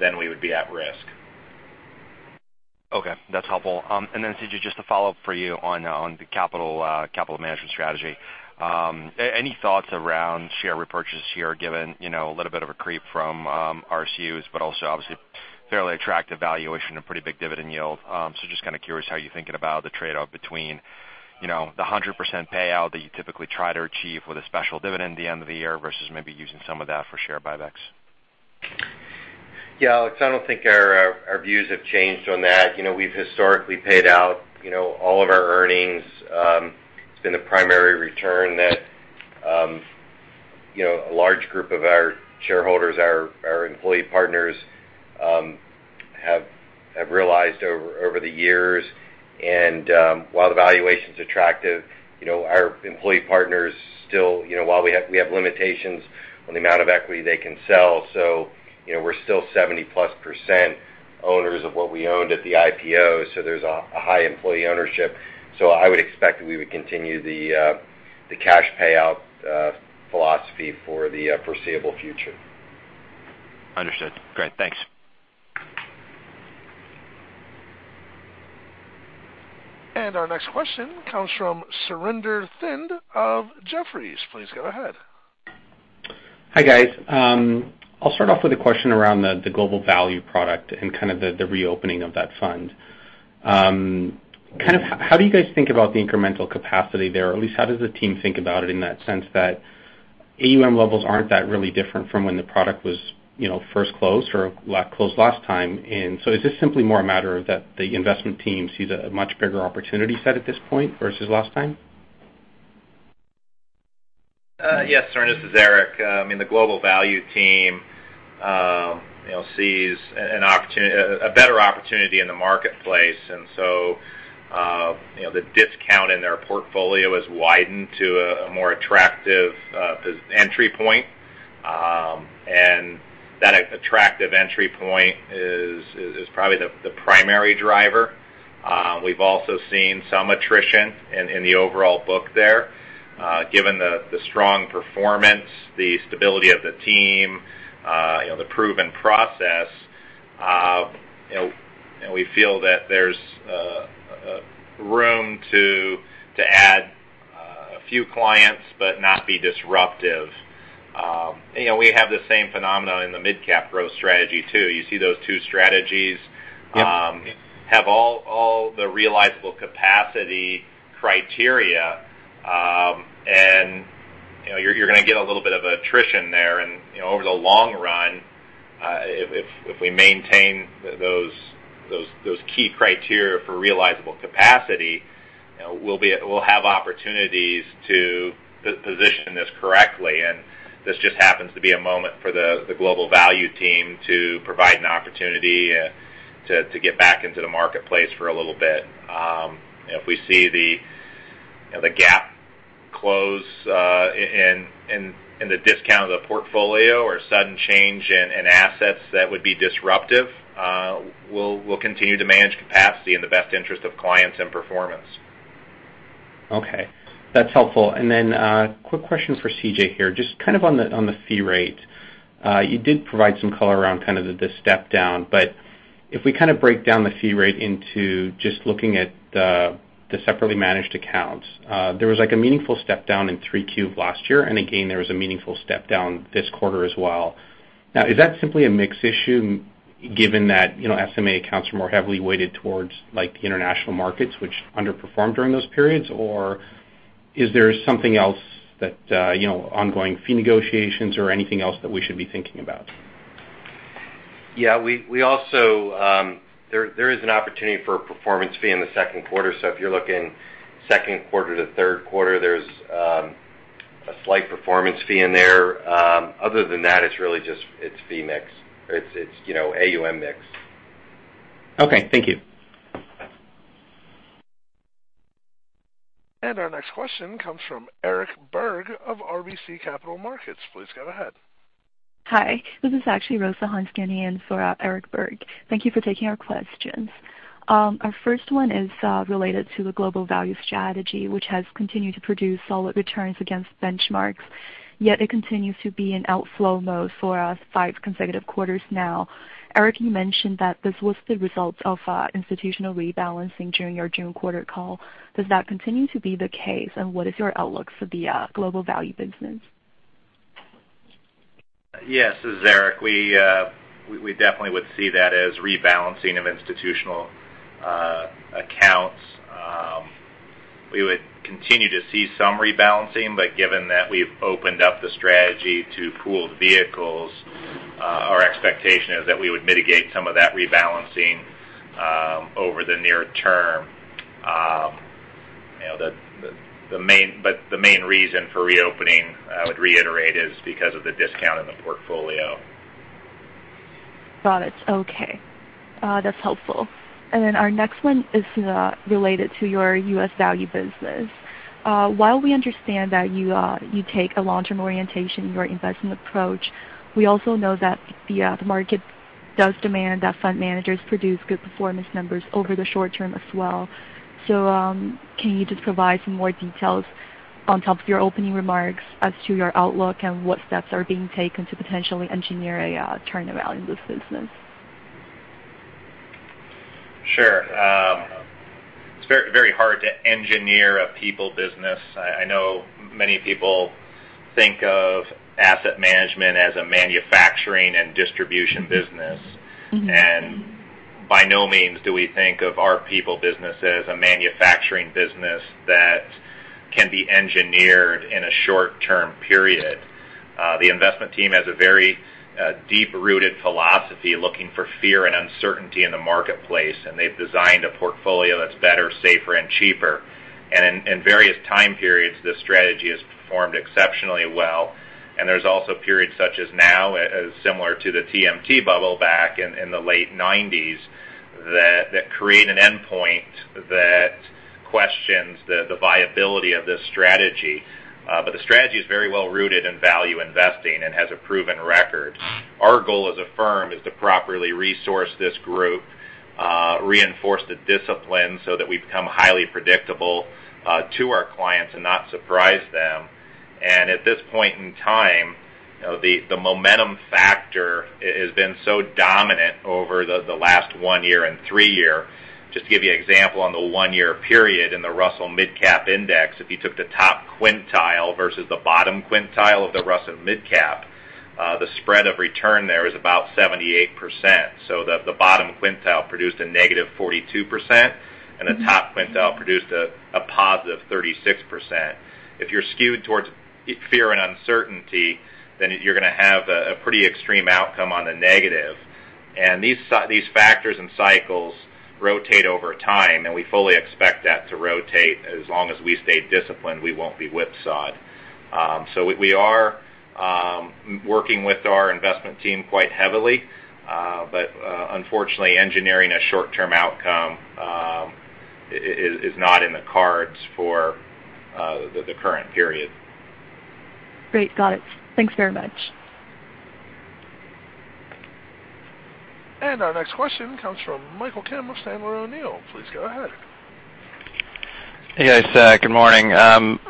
then we would be at risk. Okay, that's helpful. CJ, just a follow-up for you on the capital management strategy. Any thoughts around share repurchase here, given a little bit of a creep from RSUs, but also obviously fairly attractive valuation, a pretty big dividend yield. Just kind of curious how you're thinking about the trade-off between the 100% payout that you typically try to achieve with a special dividend at the end of the year versus maybe using some of that for share buybacks. Yeah, Alex, I don't think our views have changed on that. We've historically paid out all of our earnings. It's been a primary return that a large group of our shareholders, our employee partners, have realized over the years. While the valuation's attractive, our employee partners, we have limitations on the amount of equity they can sell. We're still 70-plus% owners of what we owned at the IPO, so there's a high employee ownership. I would expect that we would continue the cash payout philosophy for the foreseeable future. Understood. Great. Thanks. Our next question comes from Surinder Thind of Jefferies. Please go ahead. Hi, guys. I'll start off with a question around the Global Value product and kind of the reopening of that fund. How do you guys think about the incremental capacity there, at least how does the team think about it in that sense that AUM levels aren't that really different from when the product was first closed or closed last time? Is this simply more a matter that the investment team sees a much bigger opportunity set at this point versus last time? Yes, Surinder, this is Eric. I mean, the Global Value team sees a better opportunity in the marketplace, and so the discount in their portfolio has widened to a more attractive entry point. That attractive entry point is probably the primary driver. We've also seen some attrition in the overall book there. Given the strong performance, the stability of the team, the proven process, we feel that there's room to add a few clients, but not be disruptive. We have the same phenomena in the mid-cap growth strategy, too. You see those two strategies have all the realizable capacity criteria, and you're going to get a little bit of attrition there. Over the long run, if we maintain those key criteria for realizable capacity, we'll have opportunities to position this correctly. This just happens to be a moment for the global value team to provide an opportunity to get back into the marketplace for a little bit. If we see the gap close in the discount of the portfolio or sudden change in assets that would be disruptive, we'll continue to manage capacity in the best interest of clients and performance. Okay. That's helpful. A quick question for CJ here, just kind of on the fee rate. You did provide some color around kind of the step down, but if we break down the fee rate into just looking at the separately managed accounts, there was a meaningful step down in 3Q of last year, and again, there was a meaningful step down this quarter as well. Is that simply a mix issue given that SMA accounts are more heavily weighted towards the international markets which underperformed during those periods? Or is there something else that ongoing fee negotiations or anything else that we should be thinking about? Yeah. There is an opportunity for a performance fee in the second quarter. If you're looking second quarter to third quarter, there's a slight performance fee in there. Other than that, it's fee mix. It's AUM mix. Okay. Thank you. Our next question comes from Eric Berg of RBC Capital Markets. Please go ahead. Hi. This is actually Rosa Hansgenian for Eric Berg. Thank you for taking our questions. Our first one is related to the global value strategy, which has continued to produce solid returns against benchmarks, yet it continues to be in outflow mode for five consecutive quarters now. Eric, you mentioned that this was the result of institutional rebalancing during your June quarter call. Does that continue to be the case, and what is your outlook for the global value business? Yes, this is Eric. We definitely would see that as rebalancing of institutional accounts. We would continue to see some rebalancing, but given that we've opened up the strategy to pooled vehicles, our expectation is that we would mitigate some of that rebalancing over the near term. The main reason for reopening, I would reiterate, is because of the discount in the portfolio. Got it. Okay. That's helpful. Our next one is related to your U.S. Value business. While we understand that you take a long-term orientation in your investment approach, we also know that the market does demand that fund managers produce good performance numbers over the short term as well. Can you just provide some more details on top of your opening remarks as to your outlook and what steps are being taken to potentially engineer a turnaround in this business? Sure. It's very hard to engineer a people business. I know many people think of asset management as a manufacturing and distribution business. By no means do we think of our people business as a manufacturing business that can be engineered in a short-term period. The investment team has a very deep-rooted philosophy looking for fear and uncertainty in the marketplace, and they've designed a portfolio that's better, safer, and cheaper. In various time periods, this strategy has performed exceptionally well. There's also periods such as now, similar to the TMT bubble back in the late 1990s, that create an endpoint that questions the viability of this strategy. The strategy is very well rooted in value investing and has a proven record. Our goal as a firm is to properly resource this group, reinforce the discipline so that we become highly predictable to our clients and not surprise them. At this point in time, the momentum factor has been so dominant over the last one year and three year. Just to give you an example, on the one-year period in the Russell Midcap Index, if you took the top quintile versus the bottom quintile of the Russell Midcap, the spread of return there is about 78%. The bottom quintile produced a negative 42%, and the top quintile produced a positive 36%. If you're skewed towards fear and uncertainty, then you're going to have a pretty extreme outcome on the negative. These factors and cycles rotate over time, and we fully expect that to rotate. As long as we stay disciplined, we won't be whipsawed. We are working with our investment team quite heavily. Unfortunately, engineering a short-term outcome is not in the cards for the current period. Great. Got it. Thanks very much. Our next question comes from Michael Tam of Sandler O'Neill. Please go ahead. Hey, guys. Good morning.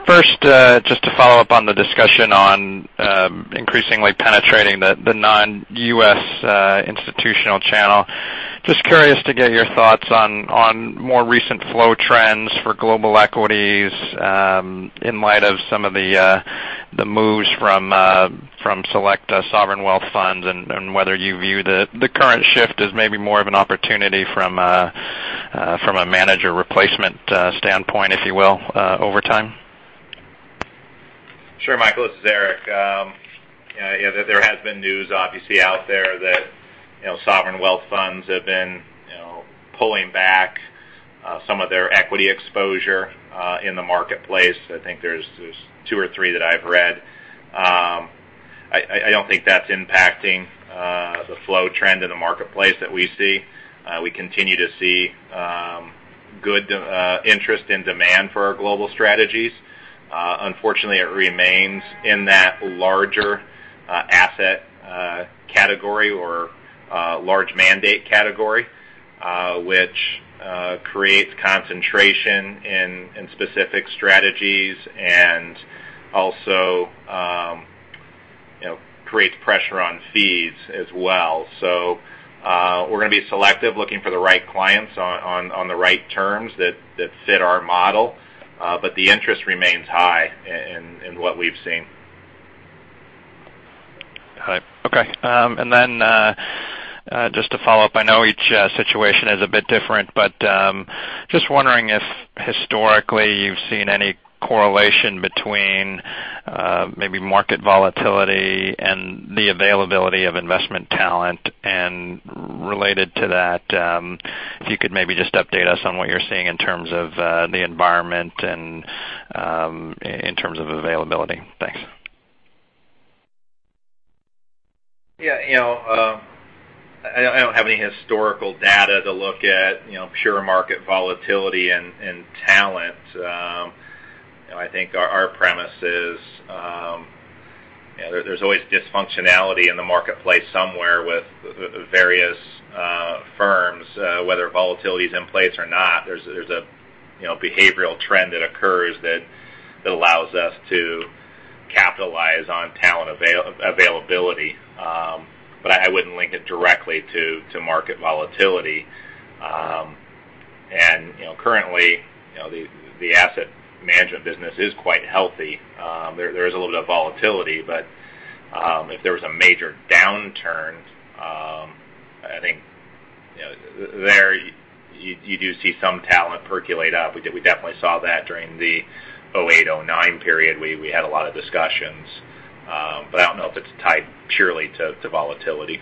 First, just to follow up on the discussion on increasingly penetrating the non-U.S. institutional channel. Just curious to get your thoughts on more recent flow trends for global equities in light of some of the moves from select sovereign wealth funds, and whether you view the current shift as maybe more of an opportunity from a manager replacement standpoint, if you will, over time. Sure, Michael. This is Eric. There has been news, obviously, out there that sovereign wealth funds have been pulling back some of their equity exposure in the marketplace. I think there's two or three that I've read. I don't think that's impacting the flow trend in the marketplace that we see. We continue to see good interest and demand for our global strategies. Unfortunately, it remains in that larger asset category or large mandate category, which creates concentration in specific strategies and also creates pressure on fees as well. We're going to be selective, looking for the right clients on the right terms that fit our model. The interest remains high in what we've seen. Okay. Just to follow up, I know each situation is a bit different, but just wondering if historically you've seen any correlation between maybe market volatility and the availability of investment talent. Related to that, if you could maybe just update us on what you're seeing in terms of the environment and in terms of availability. Thanks. Yeah. I don't have any historical data to look at pure market volatility and talent. I think our premise is there's always dysfunctionality in the marketplace somewhere with various firms, whether volatility is in place or not. There's a behavioral trend that occurs that allows us to capitalize on talent availability. I wouldn't link it directly to market volatility. Currently, the asset management business is quite healthy. There is a little bit of volatility, but if there was a major downturn, I think there you do see some talent percolate up. We definitely saw that during the '08, '09 period. We had a lot of discussions. I don't know if it's tied purely to volatility.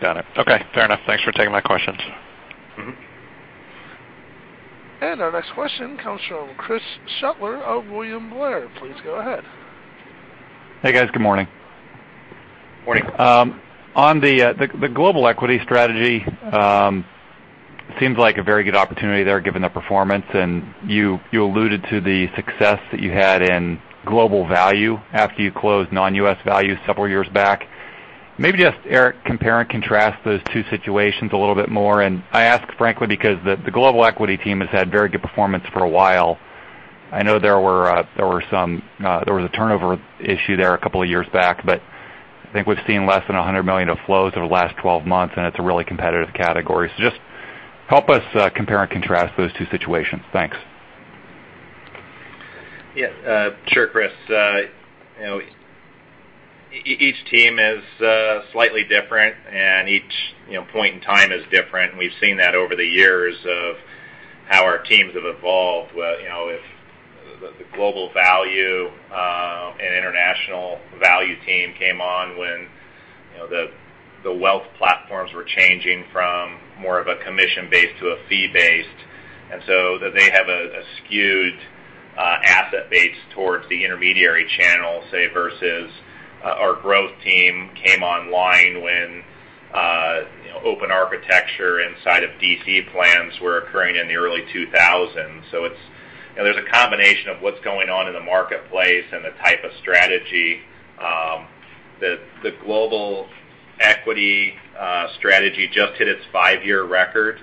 Got it. Okay. Fair enough. Thanks for taking my questions. Our next question comes from Chris Shutler of William Blair. Please go ahead. Hey, guys. Good morning. Morning. You alluded to the success that you had in global value after you closed non-U.S. value several years back. Maybe just, Eric, compare and contrast those two situations a little bit more. I ask frankly because the global equity team has had very good performance for a while. I know there was a turnover issue there a couple of years back, but I think we've seen less than $100 million of flows over the last 12 months, and it's a really competitive category. Just help us compare and contrast those two situations. Thanks. Yeah. Sure, Chris. Each team is slightly different, each point in time is different, and we've seen that over the years of how our teams have evolved. The Global Value and International Value team came on when the wealth platforms were changing from more of a commission-based to a fee-based. They have a skewed asset base towards the intermediary channel, say versus our growth team came online when open architecture inside of DC plans were occurring in the early 2000s. There's a combination of what's going on in the marketplace and the type of strategy. The global equity strategy just hit its five-year record.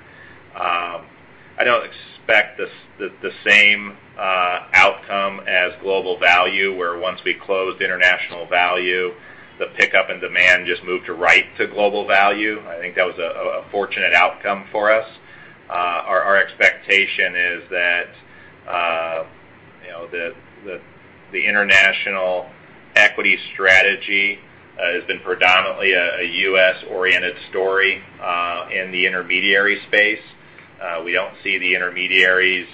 I don't expect the same outcome as global value, where once we closed international value, the pickup in demand just moved right to global value. I think that was a fortunate outcome for us. Our expectation is that the international equity strategy has been predominantly a U.S.-oriented story in the intermediary space. We don't see the intermediaries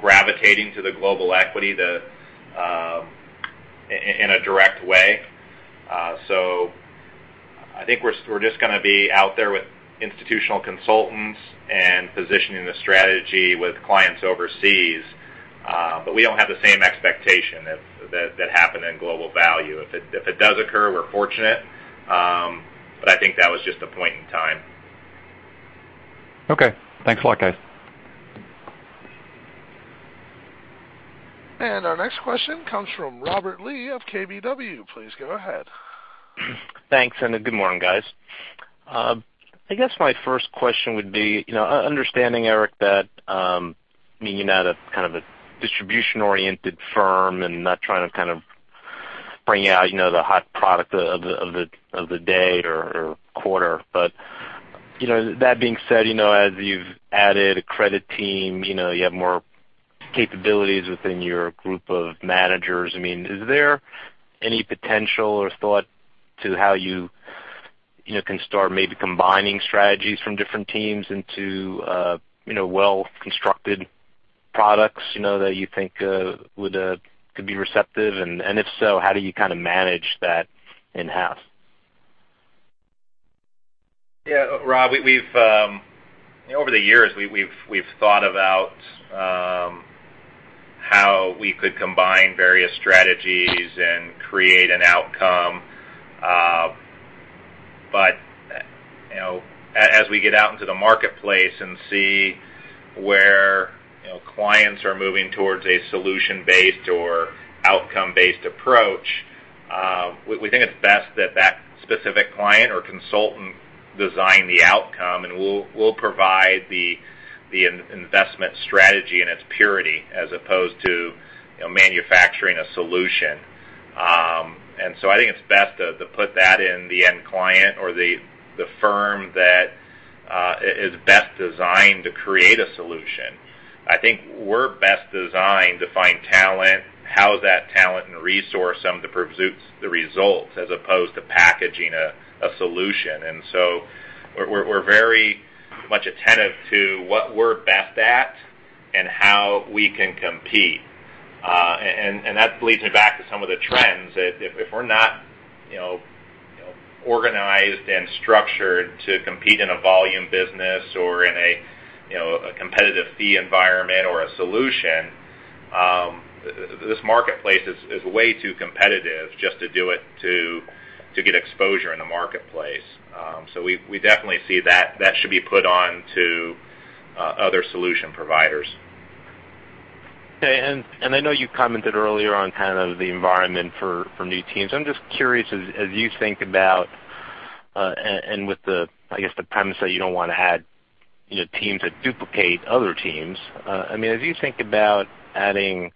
gravitating to the global equity in a direct way. I think we're just going to be out there with institutional consultants and positioning the strategy with clients overseas. We don't have the same expectation that happened in global value. If it does occur, we're fortunate, but I think that was just a point in time. Okay. Thanks a lot, guys. Our next question comes from Robert Lee of KBW. Please go ahead. Thanks, good morning, guys. I guess my first question would be, understanding, Eric, that meaning you're not a kind of a distribution-oriented firm and not trying to bring out the hot product of the day or quarter. That being said, as you've added a Credit Team, you have more capabilities within your group of managers. Is there any potential or thought to how you can start maybe combining strategies from different teams into well-constructed products that you think could be receptive? If so, how do you manage that in-house? Yeah. Rob, over the years, we've thought about how we could combine various strategies and create an outcome. As we get out into the marketplace and see where clients are moving towards a solution-based or outcome-based approach, we think it's best that that specific client or consultant design the outcome, and we'll provide the investment strategy in its purity as opposed to manufacturing a solution. I think it's best to put that in the end client or the firm that is best designed to create a solution. I think we're best designed to find talent, house that talent, and resource them to produce the results as opposed to packaging a solution. We're very much attentive to what we're best at and how we can compete. That leads me back to some of the trends. If we're not organized and structured to compete in a volume business or in a competitive fee environment or a solution, this marketplace is way too competitive just to do it to get exposure in the marketplace. We definitely see that should be put on to other solution providers. Okay. I know you commented earlier on kind of the environment for new teams. I'm just curious, as you think about and with the, I guess, the premise that you don't want to add teams that duplicate other teams. As you think about adding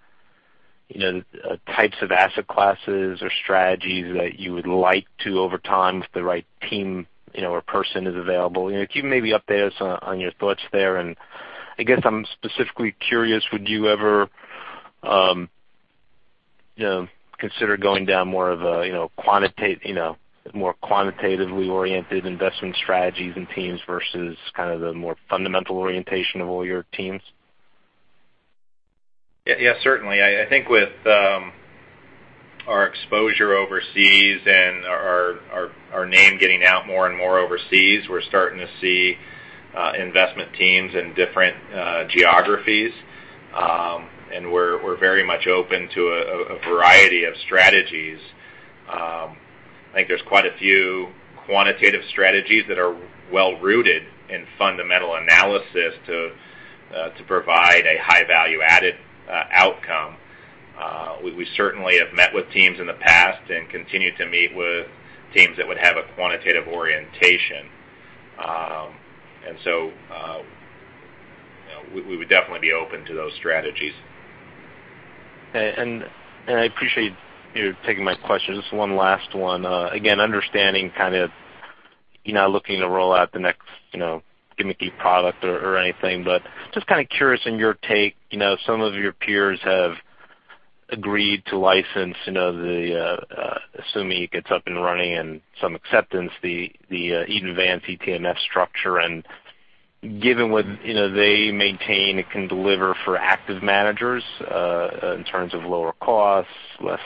types of asset classes or strategies that you would like to over time, if the right team or person is available, can you maybe update us on your thoughts there? I guess I'm specifically curious, would you ever consider going down more of a quantitatively oriented investment strategies and teams versus kind of the more fundamental orientation of all your teams? Yes, certainly. I think with our exposure overseas and our name getting out more and more overseas, we're starting to see investment teams in different geographies. We're very much open to a variety of strategies. I think there's quite a few quantitative strategies that are well-rooted in fundamental analysis to provide a high value-added outcome. We certainly have met with teams in the past and continue to meet with teams that would have a quantitative orientation. So we would definitely be open to those strategies. I appreciate you taking my questions. Just one last one. Again, understanding kind of you're not looking to roll out the next gimmicky product or anything, but just kind of curious in your take, some of your peers have agreed to license the, assuming it gets up and running and some acceptance, the Eaton Vance ETMF structure. Given what they maintain it can deliver for active managers in terms of lower costs, less-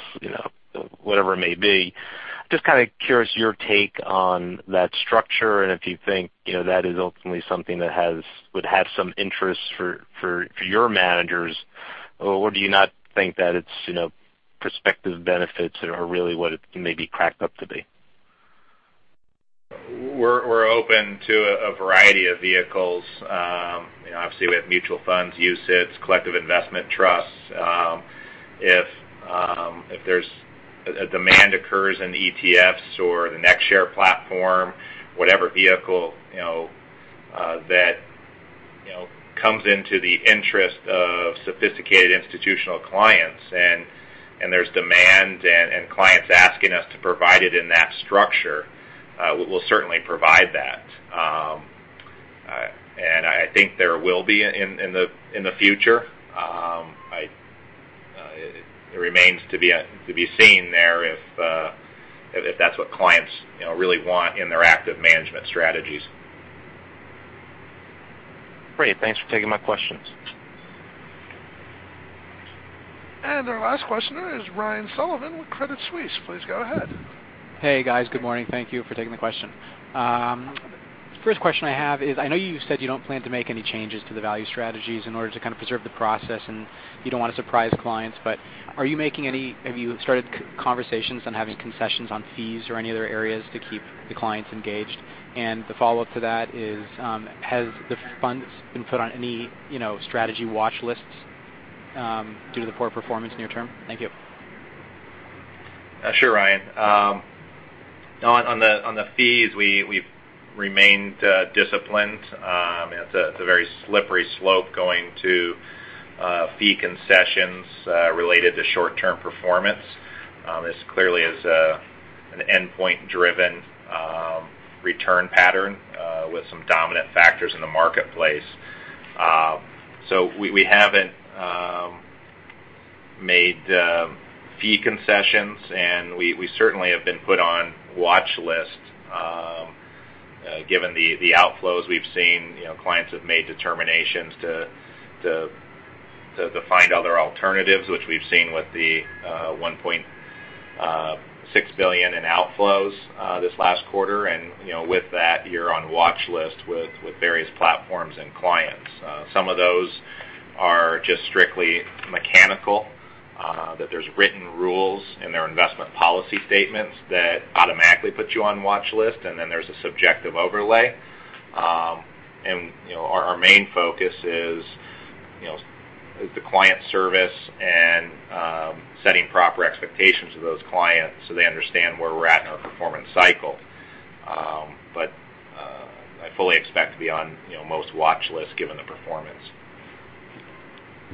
Whatever it may be. Just kind of curious your take on that structure, and if you think that is ultimately something that would have some interest for your managers, or do you not think that its prospective benefits are really what it may be cracked up to be? We're open to a variety of vehicles. Obviously, we have mutual funds, UCITS, collective investment trusts. If a demand occurs in the ETFs or the NextShares platform, whatever vehicle that comes into the interest of sophisticated institutional clients, and there's demand and clients asking us to provide it in that structure, we'll certainly provide that. I think there will be in the future. It remains to be seen there if that's what clients really want in their active management strategies. Great. Thanks for taking my questions. Our last questioner is Ryan Sullivan with Credit Suisse. Please go ahead. Hey, guys. Good morning. Thank you for taking the question. First question I have is, I know you said you don't plan to make any changes to the value strategies in order to kind of preserve the process, you don't want to surprise clients, but have you started conversations on having concessions on fees or any other areas to keep the clients engaged? The follow-up to that is, has the funds been put on any strategy watch lists due to the poor performance near term? Thank you. Sure, Ryan. On the fees, we've remained disciplined. It's a very slippery slope going to fee concessions related to short-term performance. This clearly is an endpoint-driven return pattern with some dominant factors in the marketplace. We haven't made fee concessions, and we certainly have been put on watch lists. Given the outflows we've seen, clients have made determinations to find other alternatives, which we've seen with the $1.6 billion in outflows this last quarter. With that, you're on watch list with various platforms and clients. Some of those are just strictly mechanical, that there's written rules in their investment policy statements that automatically put you on watch list, and then there's a subjective overlay. Our main focus is the client service and setting proper expectations for those clients so they understand where we're at in our performance cycle. I fully expect to be on most watch lists given the performance.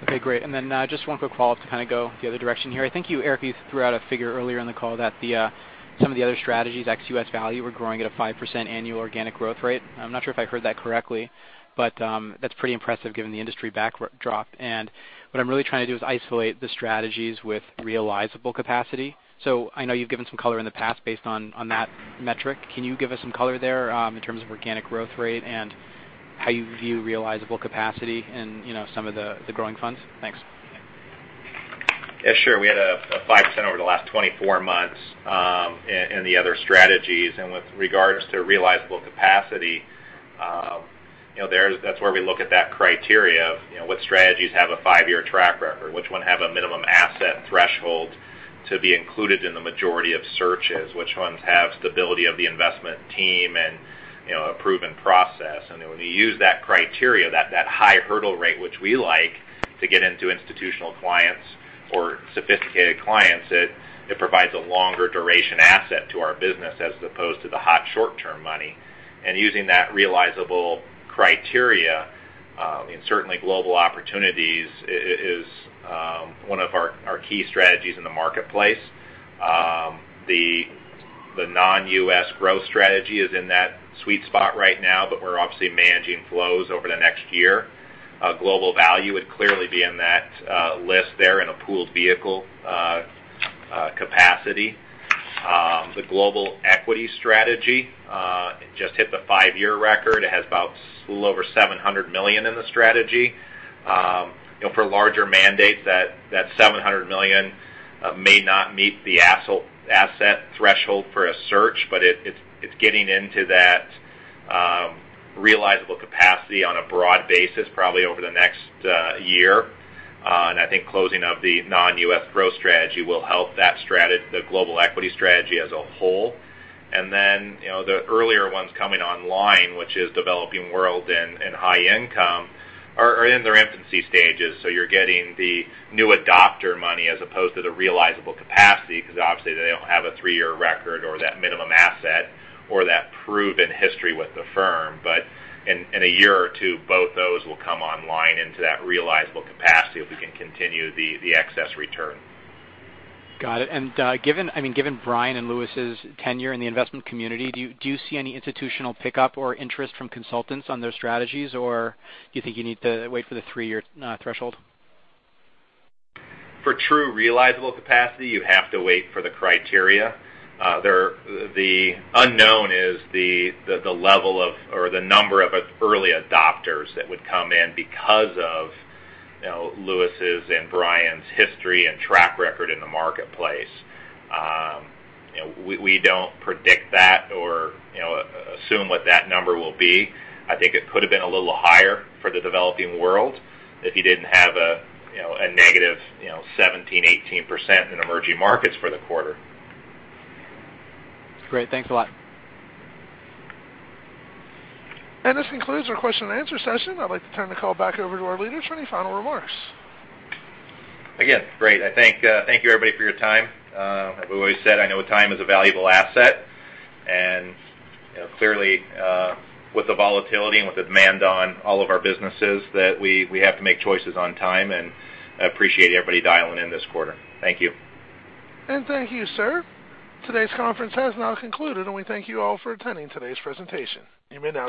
Okay, great. Just one quick follow-up to kind of go the other direction here. I think you, Eric, you threw out a figure earlier in the call that some of the other strategies, ex-U.S. value, were growing at a 5% annual organic growth rate. I'm not sure if I heard that correctly, but that's pretty impressive given the industry backdrop. What I'm really trying to do is isolate the strategies with realizable capacity. I know you've given some color in the past based on that metric. Can you give us some color there in terms of organic growth rate and how you view realizable capacity in some of the growing funds? Thanks. Yeah, sure. We had a 5% over the last 24 months in the other strategies. With regards to realizable capacity, that's where we look at that criteria of what strategies have a five-year track record, which one have a minimum asset threshold to be included in the majority of searches, which ones have stability of the investment team and a proven process. When you use that criteria, that high hurdle rate, which we like to get into institutional clients or sophisticated clients, it provides a longer duration asset to our business as opposed to the hot short-term money. Using that realizable criteria, certainly Global Opportunities is one of our key strategies in the marketplace. The non-U.S. growth strategy is in that sweet spot right now, but we're obviously managing flows over the next year. Global value would clearly be in that list there in a pooled vehicle capacity. The global equity strategy just hit the five-year record. It has about a little over $700 million in the strategy. For larger mandates, that $700 million may not meet the asset threshold for a search, but it's getting into that realizable capacity on a broad basis, probably over the next year. I think closing up the non-U.S. growth strategy will help the global equity strategy as a whole. The earlier ones coming online, which is developing world and high income, are in their infancy stages. You're getting the new adopter money as opposed to the realizable capacity, because obviously they don't have a three-year record or that minimum asset or that proven history with the firm. In a year or two, both those will come online into that realizable capacity if we can continue the excess return. Got it. Given Bryan and Lewis' tenure in the investment community, do you see any institutional pickup or interest from consultants on those strategies? Or do you think you need to wait for the three-year threshold? For true realizable capacity, you have to wait for the criteria. The unknown is the level of, or the number of early adopters that would come in because of Lewis's and Bryan's history and track record in the marketplace. We don't predict that or assume what that number will be. I think it could have been a little higher for the developing world if you didn't have a negative 17%, 18% in emerging markets for the quarter. Great. Thanks a lot. This concludes our question and answer session. I'd like to turn the call back over to our leaders for any final remarks. Again, great. Thank you, everybody, for your time. We always said, I know time is a valuable asset, and clearly with the volatility and with the demand on all of our businesses, that we have to make choices on time, and I appreciate everybody dialing in this quarter. Thank you. Thank you, sir. Today's conference has now concluded, and we thank you all for attending today's presentation. You may now disconnect.